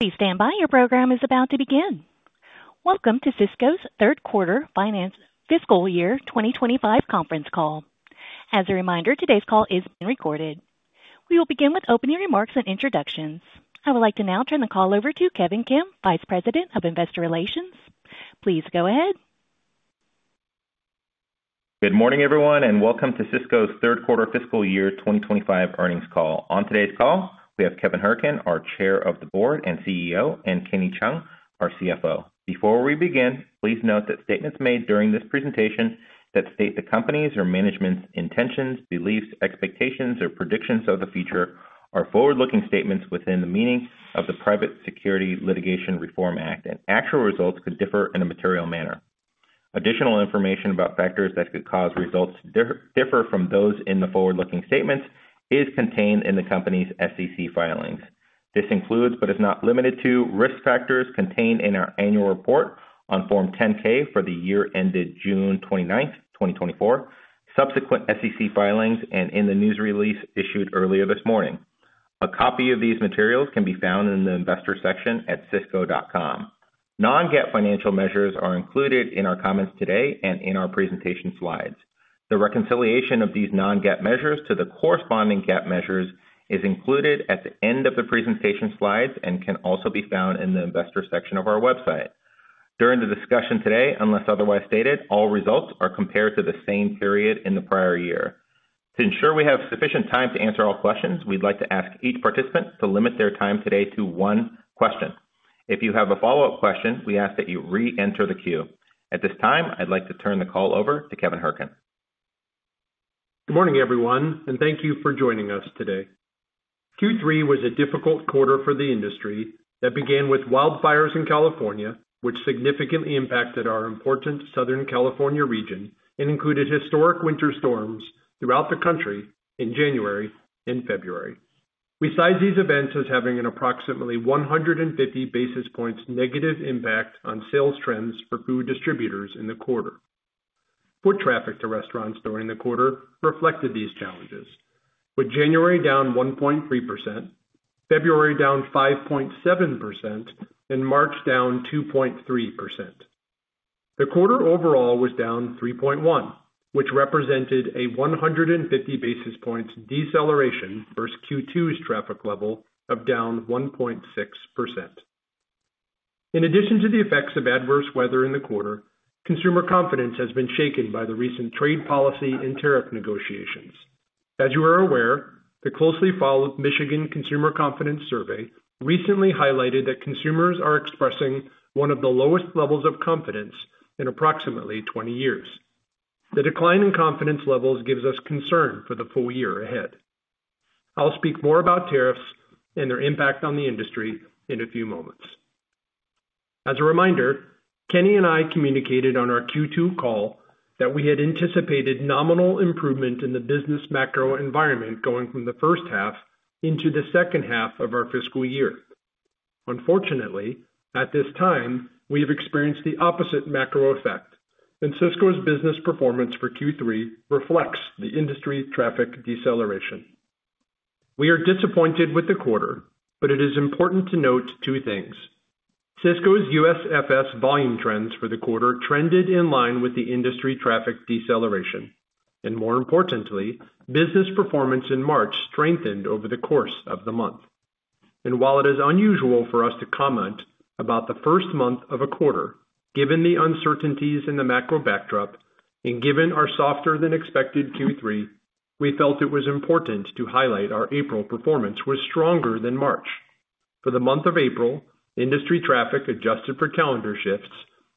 Please stand by. Your program is about to begin. Welcome to Sysco's third quarter finance fiscal year 2025 conference call. As a reminder, today's call is being recorded. We will begin with opening remarks and introductions. I would like to now turn the call over to Kevin Kim, Vice President of Investor Relations. Please go ahead. Good morning, everyone, and welcome to Sysco's third quarter fiscal year 2025 earnings call. On today's call, we have Kevin Hourican, our Chair of the Board and CEO, and Kenny Cheung, our CFO. Before we begin, please note that statements made during this presentation that state the company's or management's intentions, beliefs, expectations, or predictions of the future are forward-looking statements within the meaning of the Private Securities Litigation Reform Act, and actual results could differ in a material manner. Additional information about factors that could cause results to differ from those in the forward-looking statements is contained in the company's SEC filings. This includes, but is not limited to, risk factors contained in our annual report on Form 10-K for the year ended June 29, 2024, subsequent SEC filings, and in the news release issued earlier this morning. A copy of these materials can be found in the investor section at sysco.com. Non-GAAP financial measures are included in our comments today and in our presentation slides. The reconciliation of these non-GAAP measures to the corresponding GAAP measures is included at the end of the presentation slides and can also be found in the investor section of our website. During the discussion today, unless otherwise stated, all results are compared to the same period in the prior year. To ensure we have sufficient time to answer all questions, we'd like to ask each participant to limit their time today to one question. If you have a follow-up question, we ask that you re-enter the queue. At this time, I'd like to turn the call over to Kevin Hourican. Good morning, everyone, and thank you for joining us today. Q3 was a difficult quarter for the industry that began with wildfires in California, which significantly impacted our important Southern California region and included historic winter storms throughout the country in January and February. We cite these events as having an approximately 150 basis points negative impact on sales trends for food distributors in the quarter. Foot traffic to restaurants during the quarter reflected these challenges, with January down 1.3%, February down 5.7%, and March down 2.3%. The quarter overall was down 3.1%, which represented a 150 basis points deceleration versus Q2's traffic level of down 1.6%. In addition to the effects of adverse weather in the quarter, consumer confidence has been shaken by the recent trade policy and tariff negotiations. As you are aware, the closely followed Michigan Consumer Confidence Survey recently highlighted that consumers are expressing one of the lowest levels of confidence in approximately 20 years. The decline in confidence levels gives us concern for the full year ahead. I'll speak more about tariffs and their impact on the industry in a few moments. As a reminder, Kenny and I communicated on our Q2 call that we had anticipated nominal improvement in the business macro environment going from the first half into the second half of our fiscal year. Unfortunately, at this time, we have experienced the opposite macro effect, and Sysco's business performance for Q3 reflects the industry traffic deceleration. We are disappointed with the quarter, but it is important to note two things. Sysco's USFS volume trends for the quarter trended in line with the industry traffic deceleration, and more importantly, business performance in March strengthened over the course of the month. While it is unusual for us to comment about the first month of a quarter, given the uncertainties in the macro backdrop and given our softer-than-expected Q3, we felt it was important to highlight our April performance was stronger than March. For the month of April, industry traffic adjusted for calendar shifts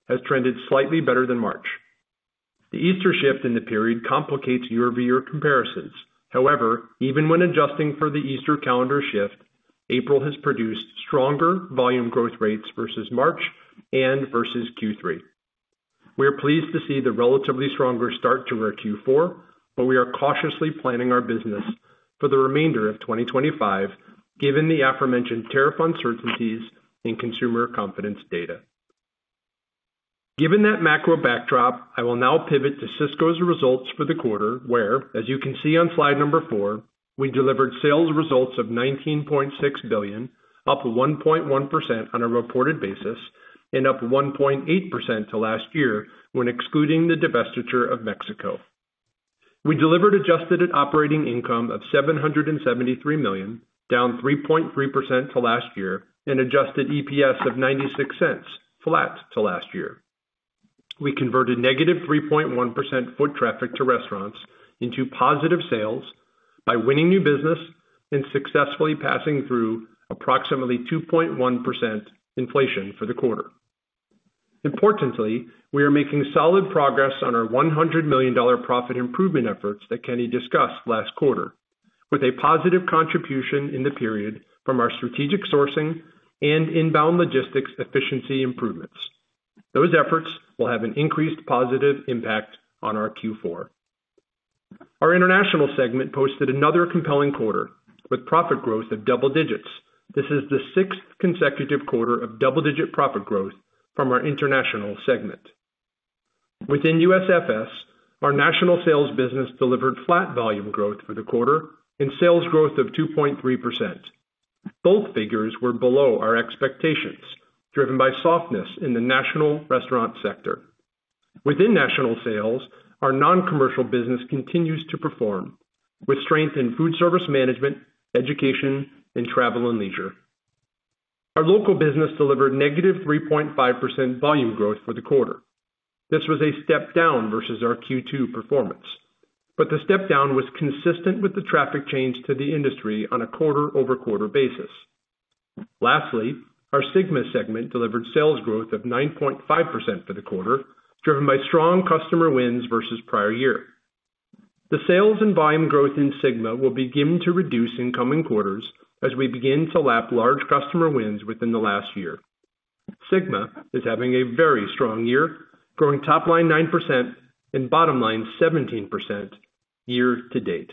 has trended slightly better than March. The Easter shift in the period complicates year-over-year comparisons. However, even when adjusting for the Easter calendar shift, April has produced stronger volume growth rates versus March and versus Q3. We are pleased to see the relatively stronger start to our Q4, but we are cautiously planning our business for the remainder of 2025, given the aforementioned tariff uncertainties and consumer confidence data. Given that macro backdrop, I will now pivot to Sysco's results for the quarter where, as you can see on slide number four, we delivered sales results of $19.6 billion, up 1.1% on a reported basis, and up 1.8% to last year when excluding the divestiture of Mexico. We delivered adjusted operating income of $773 million, down 3.3% to last year, and adjusted EPS of $0.96, flat to last year. We converted negative 3.1% foot traffic to restaurants into positive sales by winning new business and successfully passing through approximately 2.1% inflation for the quarter. Importantly, we are making solid progress on our $100 million profit improvement efforts that Kenny discussed last quarter, with a positive contribution in the period from our strategic sourcing and inbound logistics efficiency improvements. Those efforts will have an increased positive impact on our Q4. Our international segment posted another compelling quarter with profit growth of double digits. This is the sixth consecutive quarter of double-digit profit growth from our international segment. Within USFS, our national sales business delivered flat volume growth for the quarter and sales growth of 2.3%. Both figures were below our expectations, driven by softness in the national restaurant sector. Within national sales, our non-commercial business continues to perform with strength in foodservice management, education, and travel and leisure. Our local business delivered negative 3.5% volume growth for the quarter. This was a step down versus our Q2 performance, but the step down was consistent with the traffic change to the industry on a quarter-over-quarter basis. Lastly, our SYGMA segment delivered sales growth of 9.5% for the quarter, driven by strong customer wins versus prior year. The sales and volume growth in SYGMA will begin to reduce in coming quarters as we begin to lap large customer wins within the last year. SYGMA is having a very strong year, growing top line 9% and bottom line 17% year to date.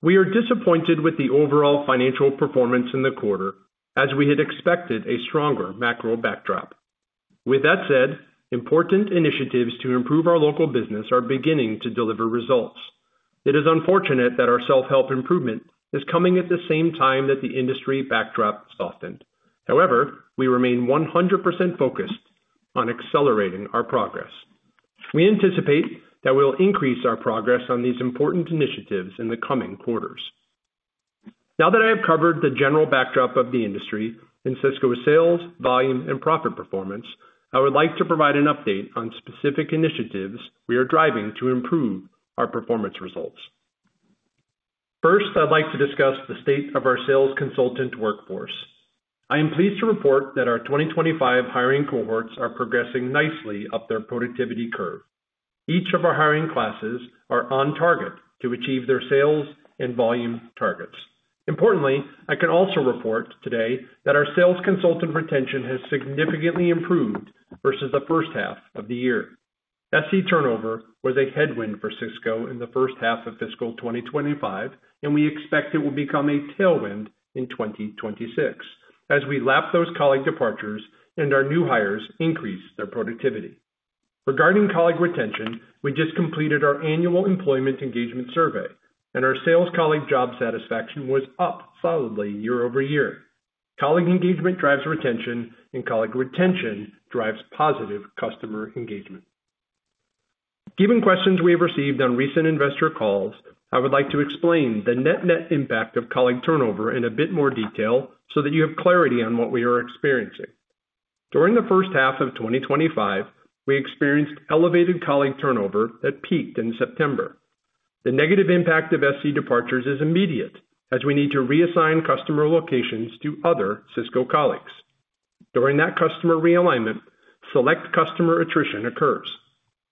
We are disappointed with the overall financial performance in the quarter, as we had expected a stronger macro backdrop. With that said, important initiatives to improve our local business are beginning to deliver results. It is unfortunate that our self-help improvement is coming at the same time that the industry backdrop softened. However, we remain 100% focused on accelerating our progress. We anticipate that we'll increase our progress on these important initiatives in the coming quarters. Now that I have covered the general backdrop of the industry in Sysco's sales, volume, and profit performance, I would like to provide an update on specific initiatives we are driving to improve our performance results. First, I'd like to discuss the state of our sales consultant workforce. I am pleased to report that our 2025 hiring cohorts are progressing nicely up their productivity curve. Each of our hiring classes are on target to achieve their sales and volume targets. Importantly, I can also report today that our sales consultant retention has significantly improved versus the first half of the year. SC turnover was a headwind for Sysco in the first half of fiscal 2025, and we expect it will become a tailwind in 2026 as we lap those colleague departures and our new hires increase their productivity. Regarding colleague retention, we just completed our annual employment engagement survey, and our sales colleague job satisfaction was up solidly year-over-year. Colleague engagement drives retention, and colleague retention drives positive customer engagement. Given questions we have received on recent investor calls, I would like to explain the net-net impact of colleague turnover in a bit more detail so that you have clarity on what we are experiencing. During the first half of 2025, we experienced elevated colleague turnover that peaked in September. The negative impact of SC departures is immediate as we need to reassign customer locations to other Sysco colleagues. During that customer realignment, select customer attrition occurs.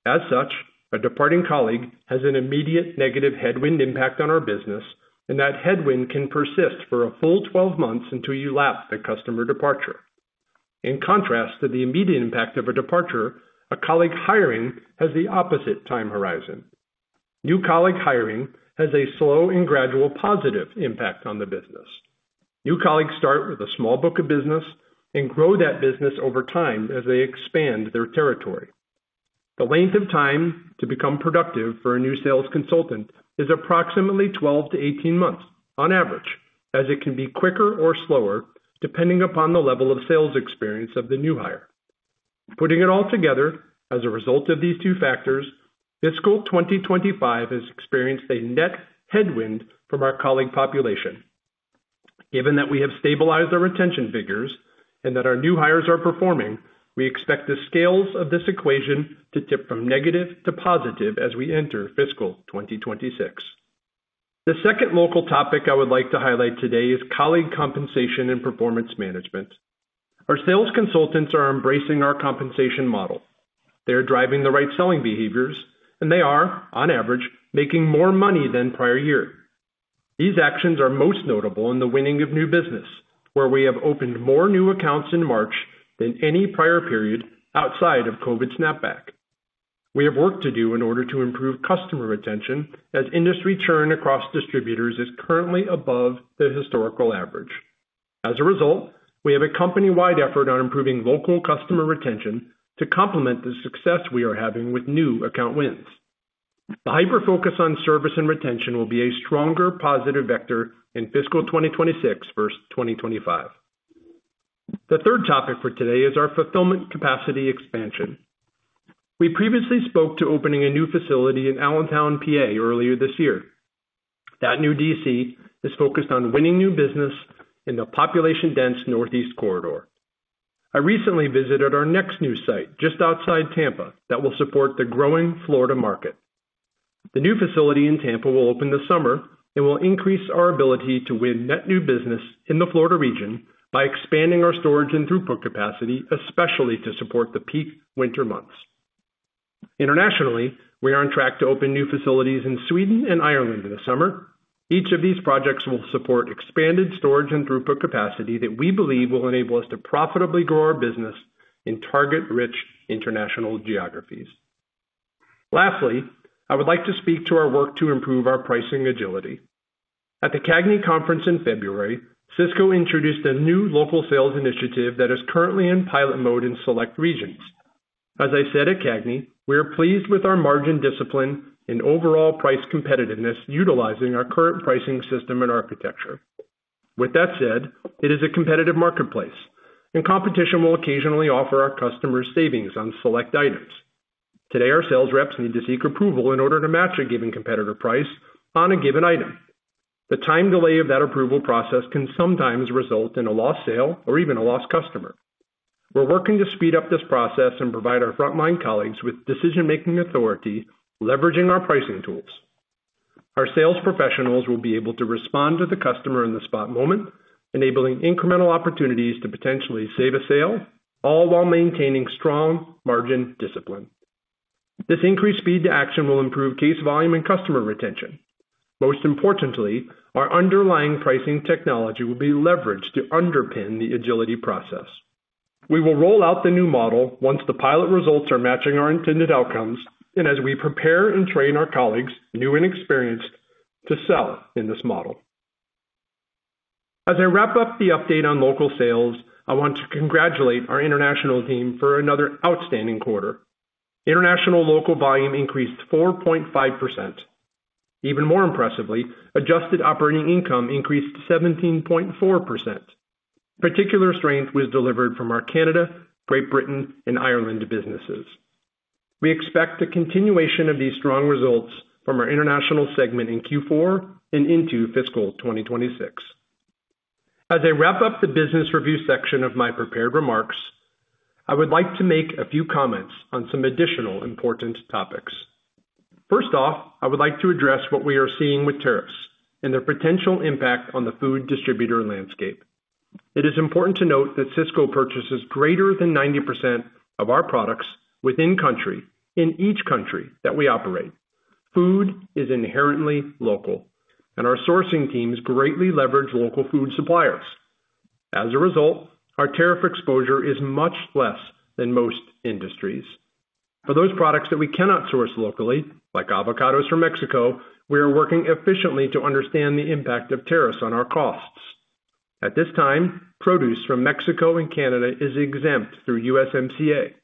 As such, a departing colleague has an immediate negative headwind impact on our business, and that headwind can persist for a full 12 months until you lap the customer departure. In contrast to the immediate impact of a departure, a colleague hiring has the opposite time horizon. New colleague hiring has a slow and gradual positive impact on the business. New colleagues start with a small book of business and grow that business over time as they expand their territory. The length of time to become productive for a new sales consultant is approximately 12 months to 18 months on average, as it can be quicker or slower depending upon the level of sales experience of the new hire. Putting it all together, as a result of these two factors, fiscal 2025 has experienced a net headwind from our colleague population. Given that we have stabilized our retention figures and that our new hires are performing, we expect the scales of this equation to tip from negative to positive as we enter fiscal 2026. The second local topic I would like to highlight today is colleague compensation and performance management. Our sales consultants are embracing our compensation model. They are driving the right selling behaviors, and they are, on average, making more money than prior year. These actions are most notable in the winning of new business, where we have opened more new accounts in March than any prior period outside of COVID snapback. We have work to do in order to improve customer retention as industry churn across distributors is currently above the historical average. As a result, we have a company-wide effort on improving local customer retention to complement the success we are having with new account wins. The hyper-focus on service and retention will be a stronger positive vector in fiscal 2026 versus 2025. The third topic for today is our fulfillment capacity expansion. We previously spoke to opening a new facility in Allentown, PA, earlier this year. That new DC is focused on winning new business in the population-dense northeast corridor. I recently visited our next new site just outside Tampa that will support the growing Florida market. The new facility in Tampa will open this summer and will increase our ability to win net new business in the Florida region by expanding our storage and throughput capacity, especially to support the peak winter months. Internationally, we are on track to open new facilities in Sweden and Ireland in the summer. Each of these projects will support expanded storage and throughput capacity that we believe will enable us to profitably grow our business in target-rich international geographies. Lastly, I would like to speak to our work to improve our pricing agility. At the CAGNY conference in February, Sysco introduced a new local sales initiative that is currently in pilot mode in select regions. As I said at CAGNY, we are pleased with our margin discipline and overall price competitiveness utilizing our current pricing system and architecture. With that said, it is a competitive marketplace, and competition will occasionally offer our customers savings on select items. Today, our sales reps need to seek approval in order to match a given competitor price on a given item. The time delay of that approval process can sometimes result in a lost sale or even a lost customer. We're working to speed up this process and provide our frontline colleagues with decision-making authority leveraging our pricing tools. Our sales professionals will be able to respond to the customer in the spot moment, enabling incremental opportunities to potentially save a sale, all while maintaining strong margin discipline. This increased speed to action will improve case volume and customer retention. Most importantly, our underlying pricing technology will be leveraged to underpin the agility process. We will roll out the new model once the pilot results are matching our intended outcomes and as we prepare and train our colleagues, new and experienced, to sell in this model. As I wrap up the update on local sales, I want to congratulate our international team for another outstanding quarter. International local volume increased 4.5%. Even more impressively, adjusted operating income increased 17.4%. Particular strength was delivered from our Canada, Great Britain, and Ireland businesses. We expect the continuation of these strong results from our international segment in Q4 and into fiscal 2026. As I wrap up the business review section of my prepared remarks, I would like to make a few comments on some additional important topics. First off, I would like to address what we are seeing with tariffs and their potential impact on the food distributor landscape. It is important to note that Sysco purchases greater than 90% of our products within country, in each country that we operate. Food is inherently local, and our sourcing teams greatly leverage local food suppliers. As a result, our tariff exposure is much less than most industries. For those products that we cannot source locally, like avocados from Mexico, we are working efficiently to understand the impact of tariffs on our costs. At this time, produce from Mexico and Canada is exempt through USMCA.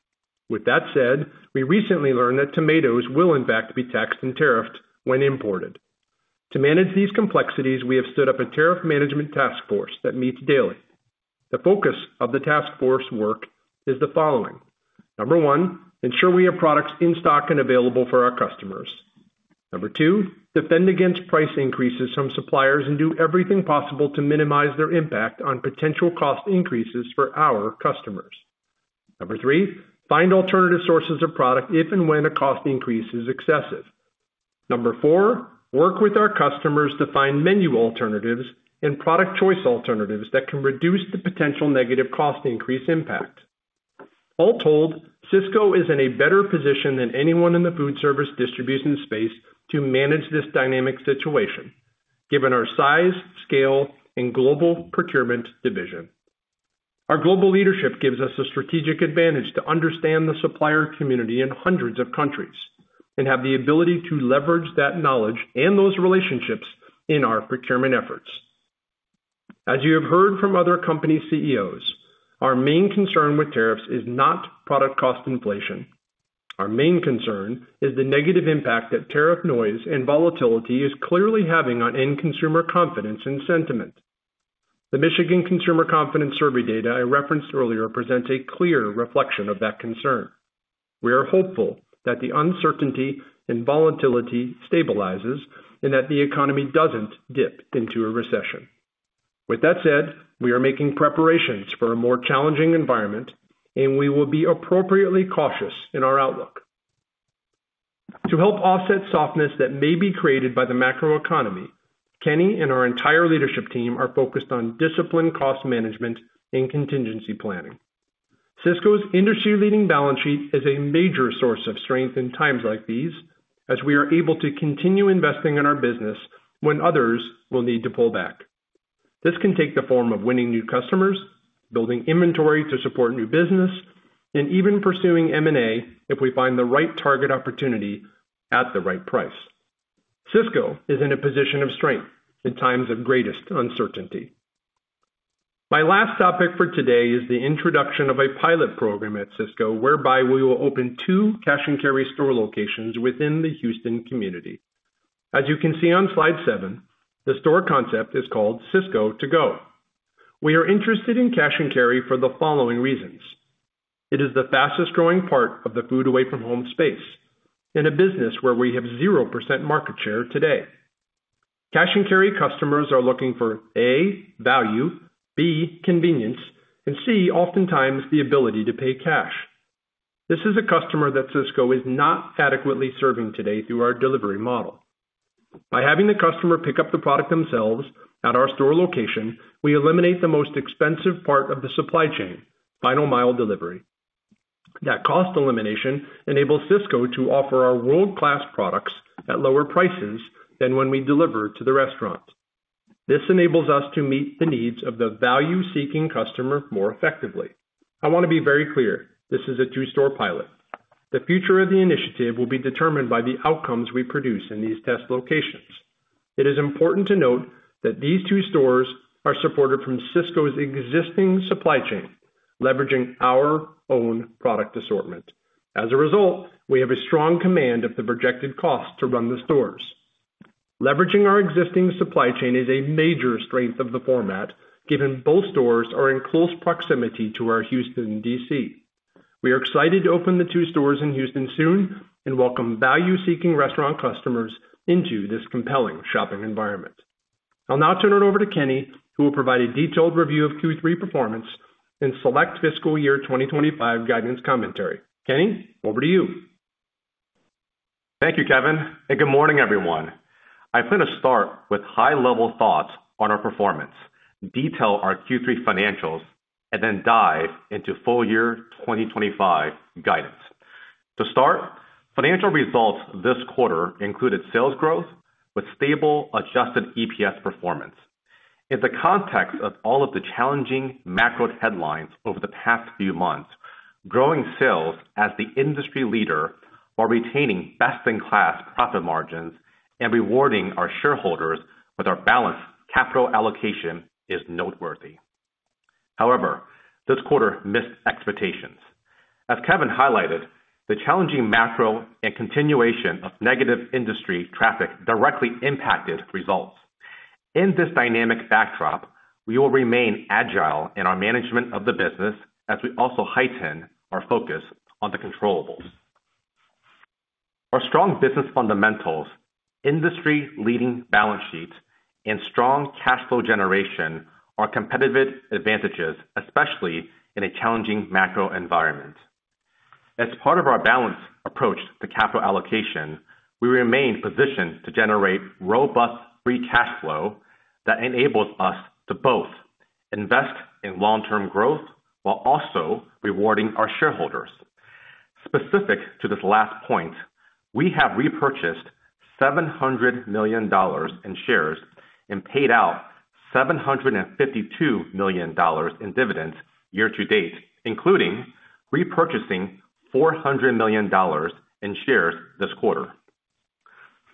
With that said, we recently learned that tomatoes will in fact be taxed and tariffed when imported. To manage these complexities, we have stood up a tariff management task force that meets daily. The focus of the task force work is the following. Number one, ensure we have products in stock and available for our customers. Number two, defend against price increases from suppliers and do everything possible to minimize their impact on potential cost increases for our customers. Number three, find alternative sources of product if and when a cost increase is excessive. Number four, work with our customers to find menu alternatives and product choice alternatives that can reduce the potential negative cost increase impact. All told, Sysco is in a better position than anyone in the food service distribution space to manage this dynamic situation, given our size, scale, and global procurement division. Our global leadership gives us a strategic advantage to understand the supplier community in hundreds of countries and have the ability to leverage that knowledge and those relationships in our procurement efforts. As you have heard from other company CEOs, our main concern with tariffs is not product cost inflation. Our main concern is the negative impact that tariff noise and volatility is clearly having on end consumer confidence and sentiment. The Michigan Consumer Confidence Survey data I referenced earlier presents a clear reflection of that concern. We are hopeful that the uncertainty and volatility stabilizes and that the economy doesn't dip into a recession. With that said, we are making preparations for a more challenging environment, and we will be appropriately cautious in our outlook. To help offset softness that may be created by the macro economy, Kenny and our entire leadership team are focused on disciplined cost management and contingency planning. Sysco's industry-leading balance sheet is a major source of strength in times like these, as we are able to continue investing in our business when others will need to pull back. This can take the form of winning new customers, building inventory to support new business, and even pursuing M&A if we find the right target opportunity at the right price. Sysco is in a position of strength in times of greatest uncertainty. My last topic for today is the introduction of a pilot program at Sysco whereby we will open two cash and carry store locations within the Houston community. As you can see on slide seven, the store concept is called Sysco To Go. We are interested in cash and carry for the following reasons. It is the fastest growing part of the food away from home space in a business where we have 0% market share today. Cash-and-carry customers are looking for A - value, B - convenience, and C - oftentimes the ability to pay cash. This is a customer that Sysco is not adequately serving today through our delivery model. By having the customer pick up the product themselves at our store location, we eliminate the most expensive part of the supply chain, final mile delivery. That cost elimination enables Sysco to offer our world-class products at lower prices than when we deliver to the restaurant. This enables us to meet the needs of the value-seeking customer more effectively. I want to be very clear. This is a two-store pilot. The future of the initiative will be determined by the outcomes we produce in these test locations. It is important to note that these two stores are supported from Sysco's existing supply chain, leveraging our own product assortment. As a result, we have a strong command of the projected cost to run the stores. Leveraging our existing supply chain is a major strength of the format given both stores are in close proximity to our Houston, DC. We are excited to open the two stores in Houston soon and welcome value-seeking restaurant customers into this compelling shopping environment. I'll now turn it over to Kenny, who will provide a detailed review of Q3 performance and select fiscal year 2025 guidance commentary. Kenny, over to you. Thank you, Kevin. And good morning, everyone. I plan to start with high-level thoughts on our performance, detail our Q3 financials, and then dive into full year 2025 guidance. To start, financial results this quarter included sales growth with stable adjusted EPS performance. In the context of all of the challenging macro headlines over the past few months, growing sales as the industry leader while retaining best-in-class profit margins and rewarding our shareholders with our balanced capital allocation is noteworthy. However, this quarter missed expectations. As Kevin highlighted, the challenging macro and continuation of negative industry traffic directly impacted results. In this dynamic backdrop, we will remain agile in our management of the business as we also heighten our focus on the controllable. Our strong business fundamentals, industry-leading balance sheets, and strong cash flow generation are competitive advantages, especially in a challenging macro environment. As part of our balance approach to capital allocation, we remain positioned to generate robust free cash flow that enables us to both invest in long-term growth while also rewarding our shareholders. Specific to this last point, we have repurchased $700 million in shares and paid out $752 million in dividends year-to-date, including repurchasing $400 million in shares this quarter.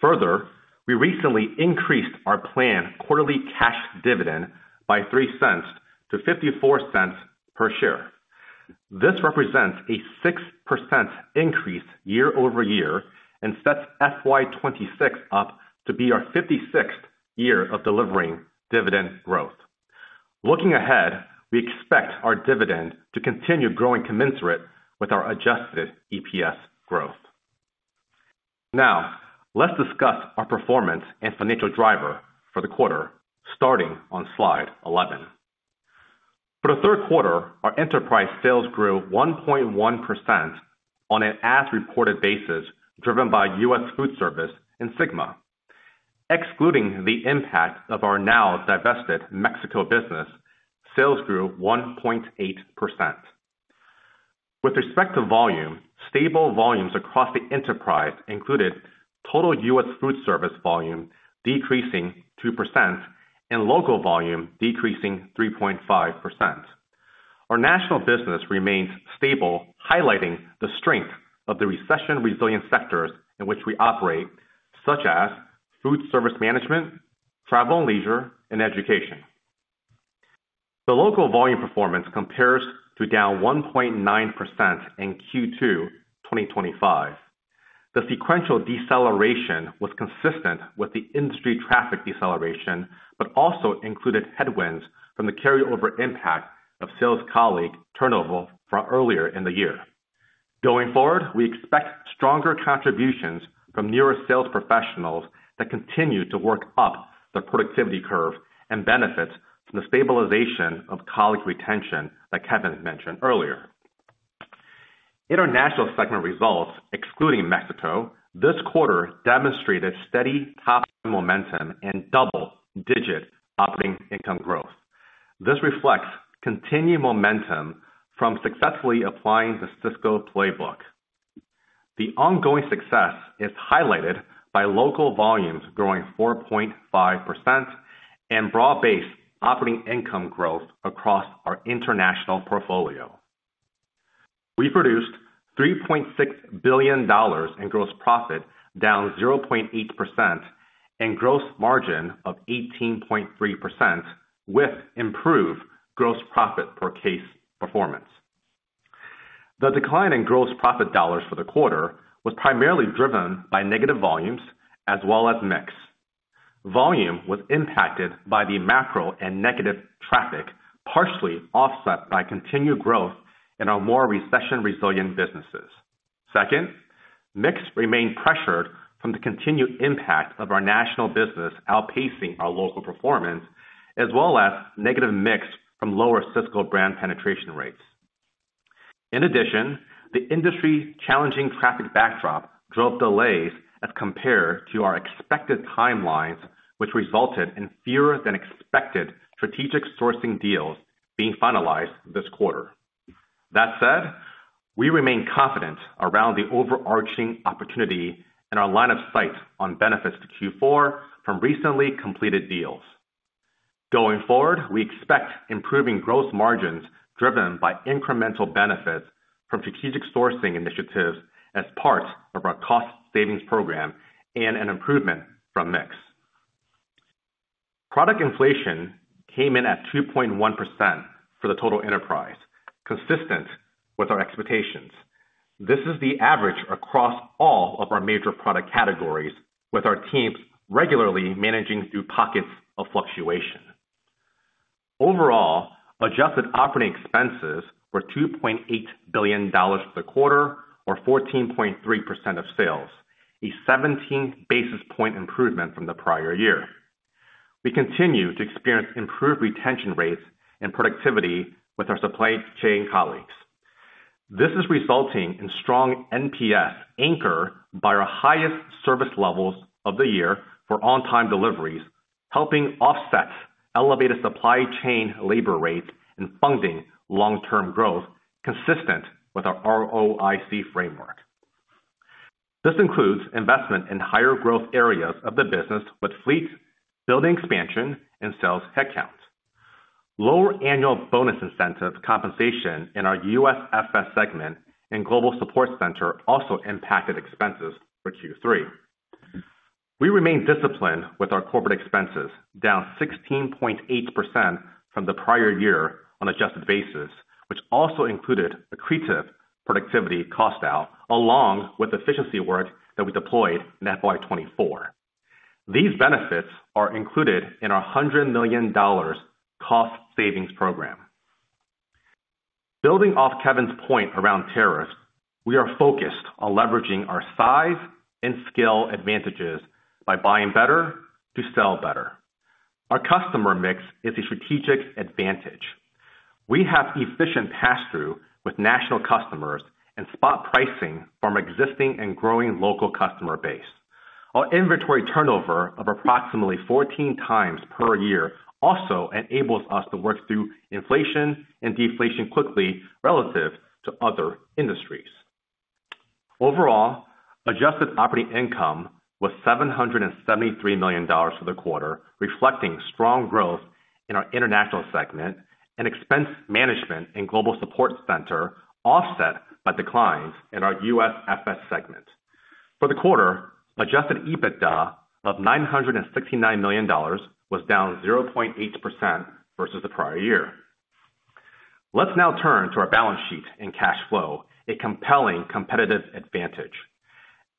Further, we recently increased our planned quarterly cash dividend by $3.00-$0.54 per share. This represents a 6% increase year-over-year and sets fiscal year 2026 up to be our 56th year of delivering dividend growth. Looking ahead, we expect our dividend to continue growing commensurate with our adjusted EPS growth. Now, let's discuss our performance and financial driver for the quarter starting on slide 11. For the third quarter, our enterprise sales grew 1.1% on an as-reported basis driven by U.S. Foodservice and Sigma. Excluding the impact of our now divested Mexico business, sales grew 1.8%. With respect to volume, stable volumes across the enterprise included total U.S. Foodservice volume decreasing 2% and local volume decreasing 3.5%. Our national business remains stable, highlighting the strength of the recession-resilient sectors in which we operate, such as food service management, travel and leisure, and education. The local volume performance compares to down 1.9% in Q2 2025. The sequential deceleration was consistent with the industry traffic deceleration, but also included headwinds from the carryover impact of sales colleague turnover from earlier in the year. Going forward, we expect stronger contributions from newer sales professionals that continue to work up the productivity curve and benefits from the stabilization of colleague retention that Kevin mentioned earlier. In our national segment results, excluding Mexico, this quarter demonstrated steady top-end momentum and double-digit operating income growth. This reflects continued momentum from successfully applying the Sysco playbook. The ongoing success is highlighted by local volumes growing 4.5% and broad-based operating income growth across our international portfolio. We produced $3.6 billion in gross profit, down 0.8%, and gross margin of 18.3% with improved gross profit per case performance. The decline in gross profit dollars for the quarter was primarily driven by negative volumes as well as mix. Volume was impacted by the macro and negative traffic, partially offset by continued growth in our more recession-resilient businesses. Second, mix remained pressured from the continued impact of our national business outpacing our local performance, as well as negative mix from lower Sysco brand penetration rates. In addition, the industry challenging traffic backdrop drove delays as compared to our expected timelines, which resulted in fewer than expected strategic sourcing deals being finalized this quarter. That said, we remain confident around the overarching opportunity and our line of sight on benefits to Q4 from recently completed deals. Going forward, we expect improving gross margins driven by incremental benefits from strategic sourcing initiatives as part of our cost savings program and an improvement from mix. Product inflation came in at 2.1% for the total enterprise, consistent with our expectations. This is the average across all of our major product categories, with our teams regularly managing through pockets of fluctuation. Overall, adjusted operating expenses were $2.8 billion for the quarter, or 14.3% of sales, a 17 basis point improvement from the prior year. We continue to experience improved retention rates and productivity with our supply chain colleagues. This is resulting in strong NPS anchor by our highest service levels of the year for on-time deliveries, helping offset elevated supply chain labor rates and funding long-term growth consistent with our ROIC framework. This includes investment in higher growth areas of the business with fleets, building expansion, and sales headcount. Lower annual bonus incentive compensation in our USFS segment and global support center also impacted expenses for Q3. We remain disciplined with our corporate expenses, down 16.8% from the prior year on an adjusted basis, which also included accretive productivity cost out along with efficiency work that we deployed in FY24. These benefits are included in our $100 million cost savings program. Building off Kevin's point around tariffs, we are focused on leveraging our size and scale advantages by buying better to sell better. Our customer mix is a strategic advantage. We have efficient pass-through with national customers and spot pricing from existing and growing local customer base. Our inventory turnover of approximately 14 times per year also enables us to work through inflation and deflation quickly relative to other industries. Overall, adjusted operating income was $773 million for the quarter, reflecting strong growth in our international segment and expense management and global support center offset by declines in our USFS segment. For the quarter, adjusted EBITDA of $969 million was down 0.8% versus the prior year. Let's now turn to our balance sheet and cash flow, a compelling competitive advantage.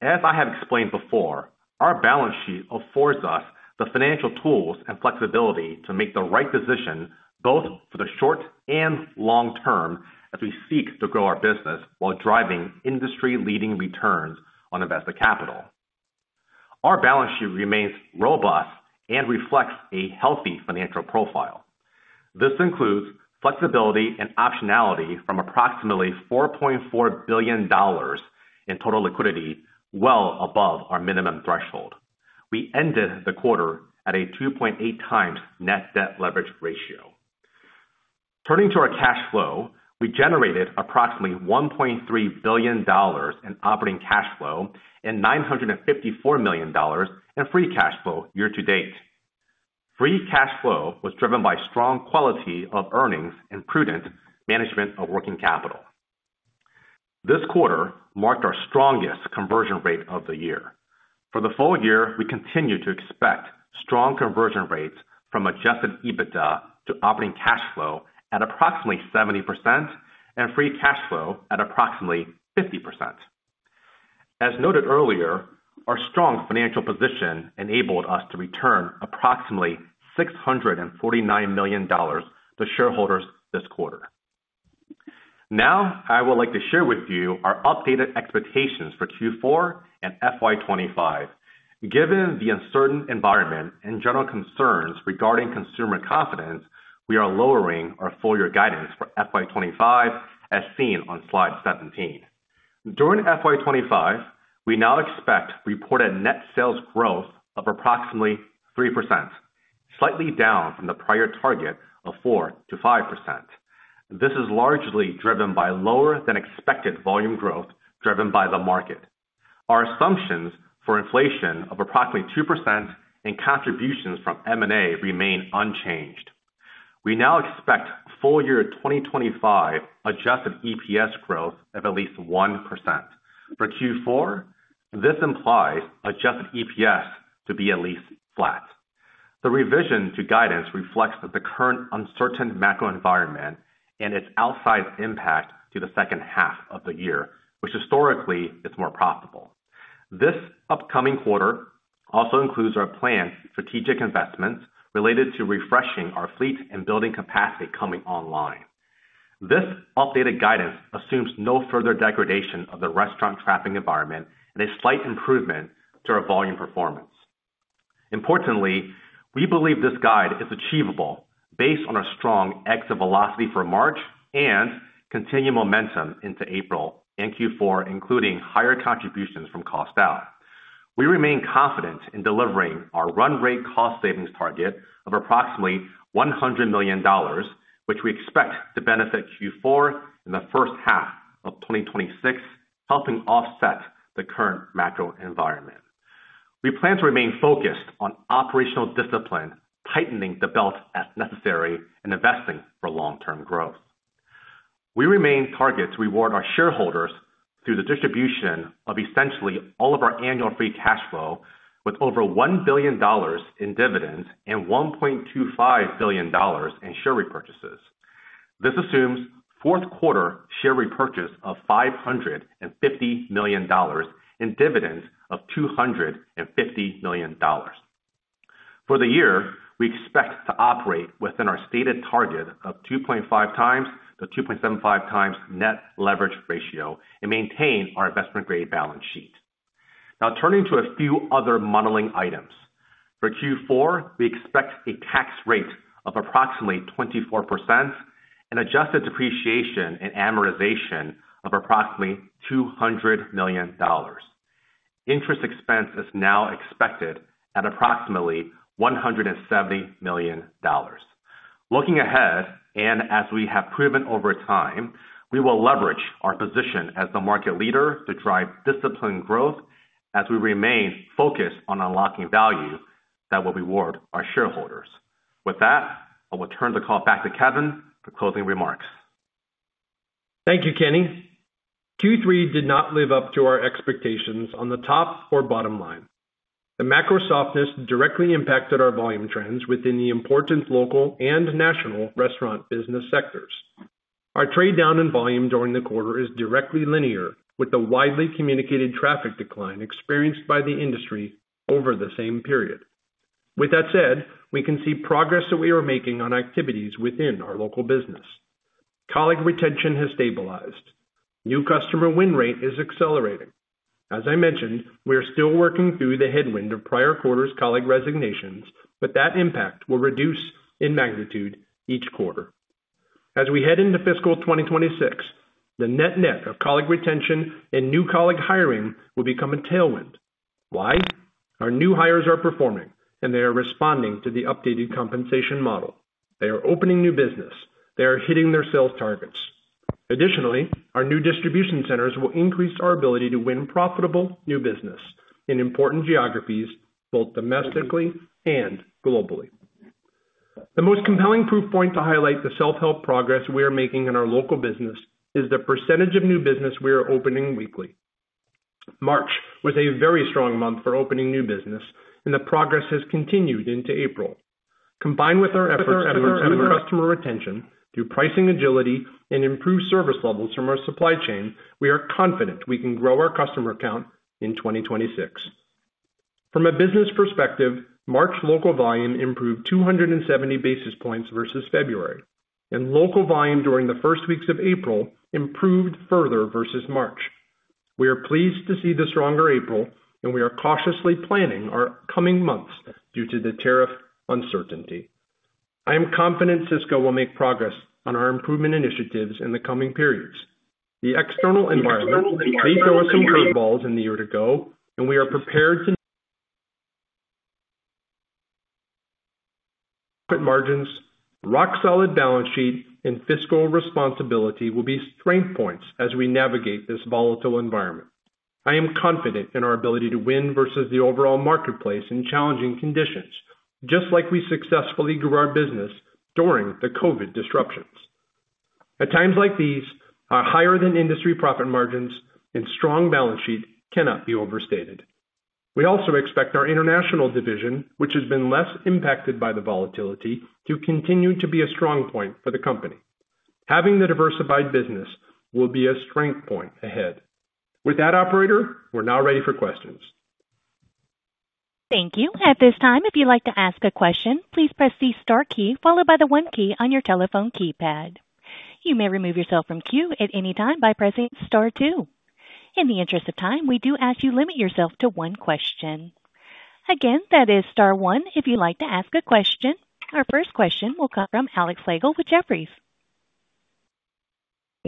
As I have explained before, our balance sheet affords us the financial tools and flexibility to make the right decision both for the short and long term as we seek to grow our business while driving industry-leading returns on invested capital. Our balance sheet remains robust and reflects a healthy financial profile. This includes flexibility and optionality from approximately $4.4 billion in total liquidity, well above our minimum threshold. We ended the quarter at a 2.8x net debt leverage ratio. Turning to our cash flow, we generated approximately $1.3 billion in operating cash flow and $954 million in free cash flow year-to-date. Free cash flow was driven by strong quality of earnings and prudent management of working capital. This quarter marked our strongest conversion rate of the year. For the full year, we continue to expect strong conversion rates from adjusted EBITDA to operating cash flow at approximately 70% and free cash flow at approximately 50%. As noted earlier, our strong financial position enabled us to return approximately $649 million to shareholders this quarter. Now, I would like to share with you our updated expectations for Q4 and FY 2025. Given the uncertain environment and general concerns regarding consumer confidence, we are lowering our full year guidance for FY 2025, as seen on slide 17. During FY 2025, we now expect reported net sales growth of approximately 3%, slightly down from the prior target of 4%-5%. This is largely driven by lower-than-expected volume growth driven by the market. Our assumptions for inflation of approximately 2% and contributions from M&A remain unchanged. We now expect full year 2025 adjusted EPS growth of at least 1%. For Q4, this implies adjusted EPS to be at least flat. The revision to guidance reflects the current uncertain macro environment and its outsized impact to the second half of the year, which historically is more profitable. This upcoming quarter also includes our planned strategic investments related to refreshing our fleet and building capacity coming online. This updated guidance assumes no further degradation of the restaurant traffic environment and a slight improvement to our volume performance. Importantly, we believe this guide is achievable based on our strong exit velocity for March and continued momentum into April and Q4, including higher contributions from cost out. We remain confident in delivering our run rate cost savings target of approximately $100 million, which we expect to benefit Q4 and the first half of 2026, helping offset the current macro environment. We plan to remain focused on operational discipline, tightening the belt as necessary, and investing for long-term growth. We remain targeted to reward our shareholders through the distribution of essentially all of our annual free cash flow, with over $1 billion in dividends and $1.25 billion in share repurchases. This assumes fourth quarter share repurchase of $550 million and dividends of $250 million. For the year, we expect to operate within our stated target of 2.5-2.75x net leverage ratio and maintain our investment-grade balance sheet. Now, turning to a few other modeling items. For Q4, we expect a tax rate of approximately 24% and adjusted depreciation and amortization of approximately $200 million. Interest expense is now expected at approximately $170 million. Looking ahead, and as we have proven over time, we will leverage our position as the market leader to drive disciplined growth as we remain focused on unlocking value that will reward our shareholders. With that, I will turn the call back to Kevin for closing remarks. Thank you, Kenny. Q3 did not live up to our expectations on the top or bottom line. The macro softness directly impacted our volume trends within the important local and national restaurant business sectors. Our trade down in volume during the quarter is directly linear with the widely communicated traffic decline experienced by the industry over the same period. With that said, we can see progress that we are making on activities within our local business. Colleague retention has stabilized. New customer win rate is accelerating. As I mentioned, we are still working through the headwind of prior quarter's colleague resignations, but that impact will reduce in magnitude each quarter. As we head into fiscal 2026, the net net of colleague retention and new colleague hiring will become a tailwind. Why? Our new hires are performing, and they are responding to the updated compensation model. They are opening new business. They are hitting their sales targets. Additionally, our new distribution centers will increase our ability to win profitable new business in important geographies, both domestically and globally. The most compelling proof point to highlight the self-help progress we are making in our local business is the percentage of new business we are opening weekly. March was a very strong month for opening new business, and the progress has continued into April. Combined with our efforts at customer retention, through pricing agility, and improved service levels from our supply chain, we are confident we can grow our customer count in 2026. From a business perspective, March local volume improved 270 basis points versus February, and local volume during the first weeks of April improved further versus March. We are pleased to see the stronger April, and we are cautiously planning our coming months due to the tariff uncertainty. I am confident Sysco will make progress on our improvement initiatives in the coming periods. The external environment may throw us some curveballs in the year to go, and we are prepared to. Margins, rock-solid balance sheet, and fiscal responsibility will be strength points as we navigate this volatile environment. I am confident in our ability to win versus the overall marketplace in challenging conditions, just like we successfully grew our business during the COVID disruptions. At times like these, our higher-than-industry profit margins and strong balance sheet cannot be overstated. We also expect our international division, which has been less impacted by the volatility, to continue to be a strong point for the company. Having the diversified business will be a strength point ahead. With that, operator, we're now ready for questions. Thank you. At this time, if you'd like to ask a question, please press the star key followed by the one key on your telephone keypad. You may remove yourself from queue at any time by pressing star two. In the interest of time, we do ask you to limit yourself to one question. Again, that is star one if you'd like to ask a question. Our first question will come from Alex Slagle with Jefferies.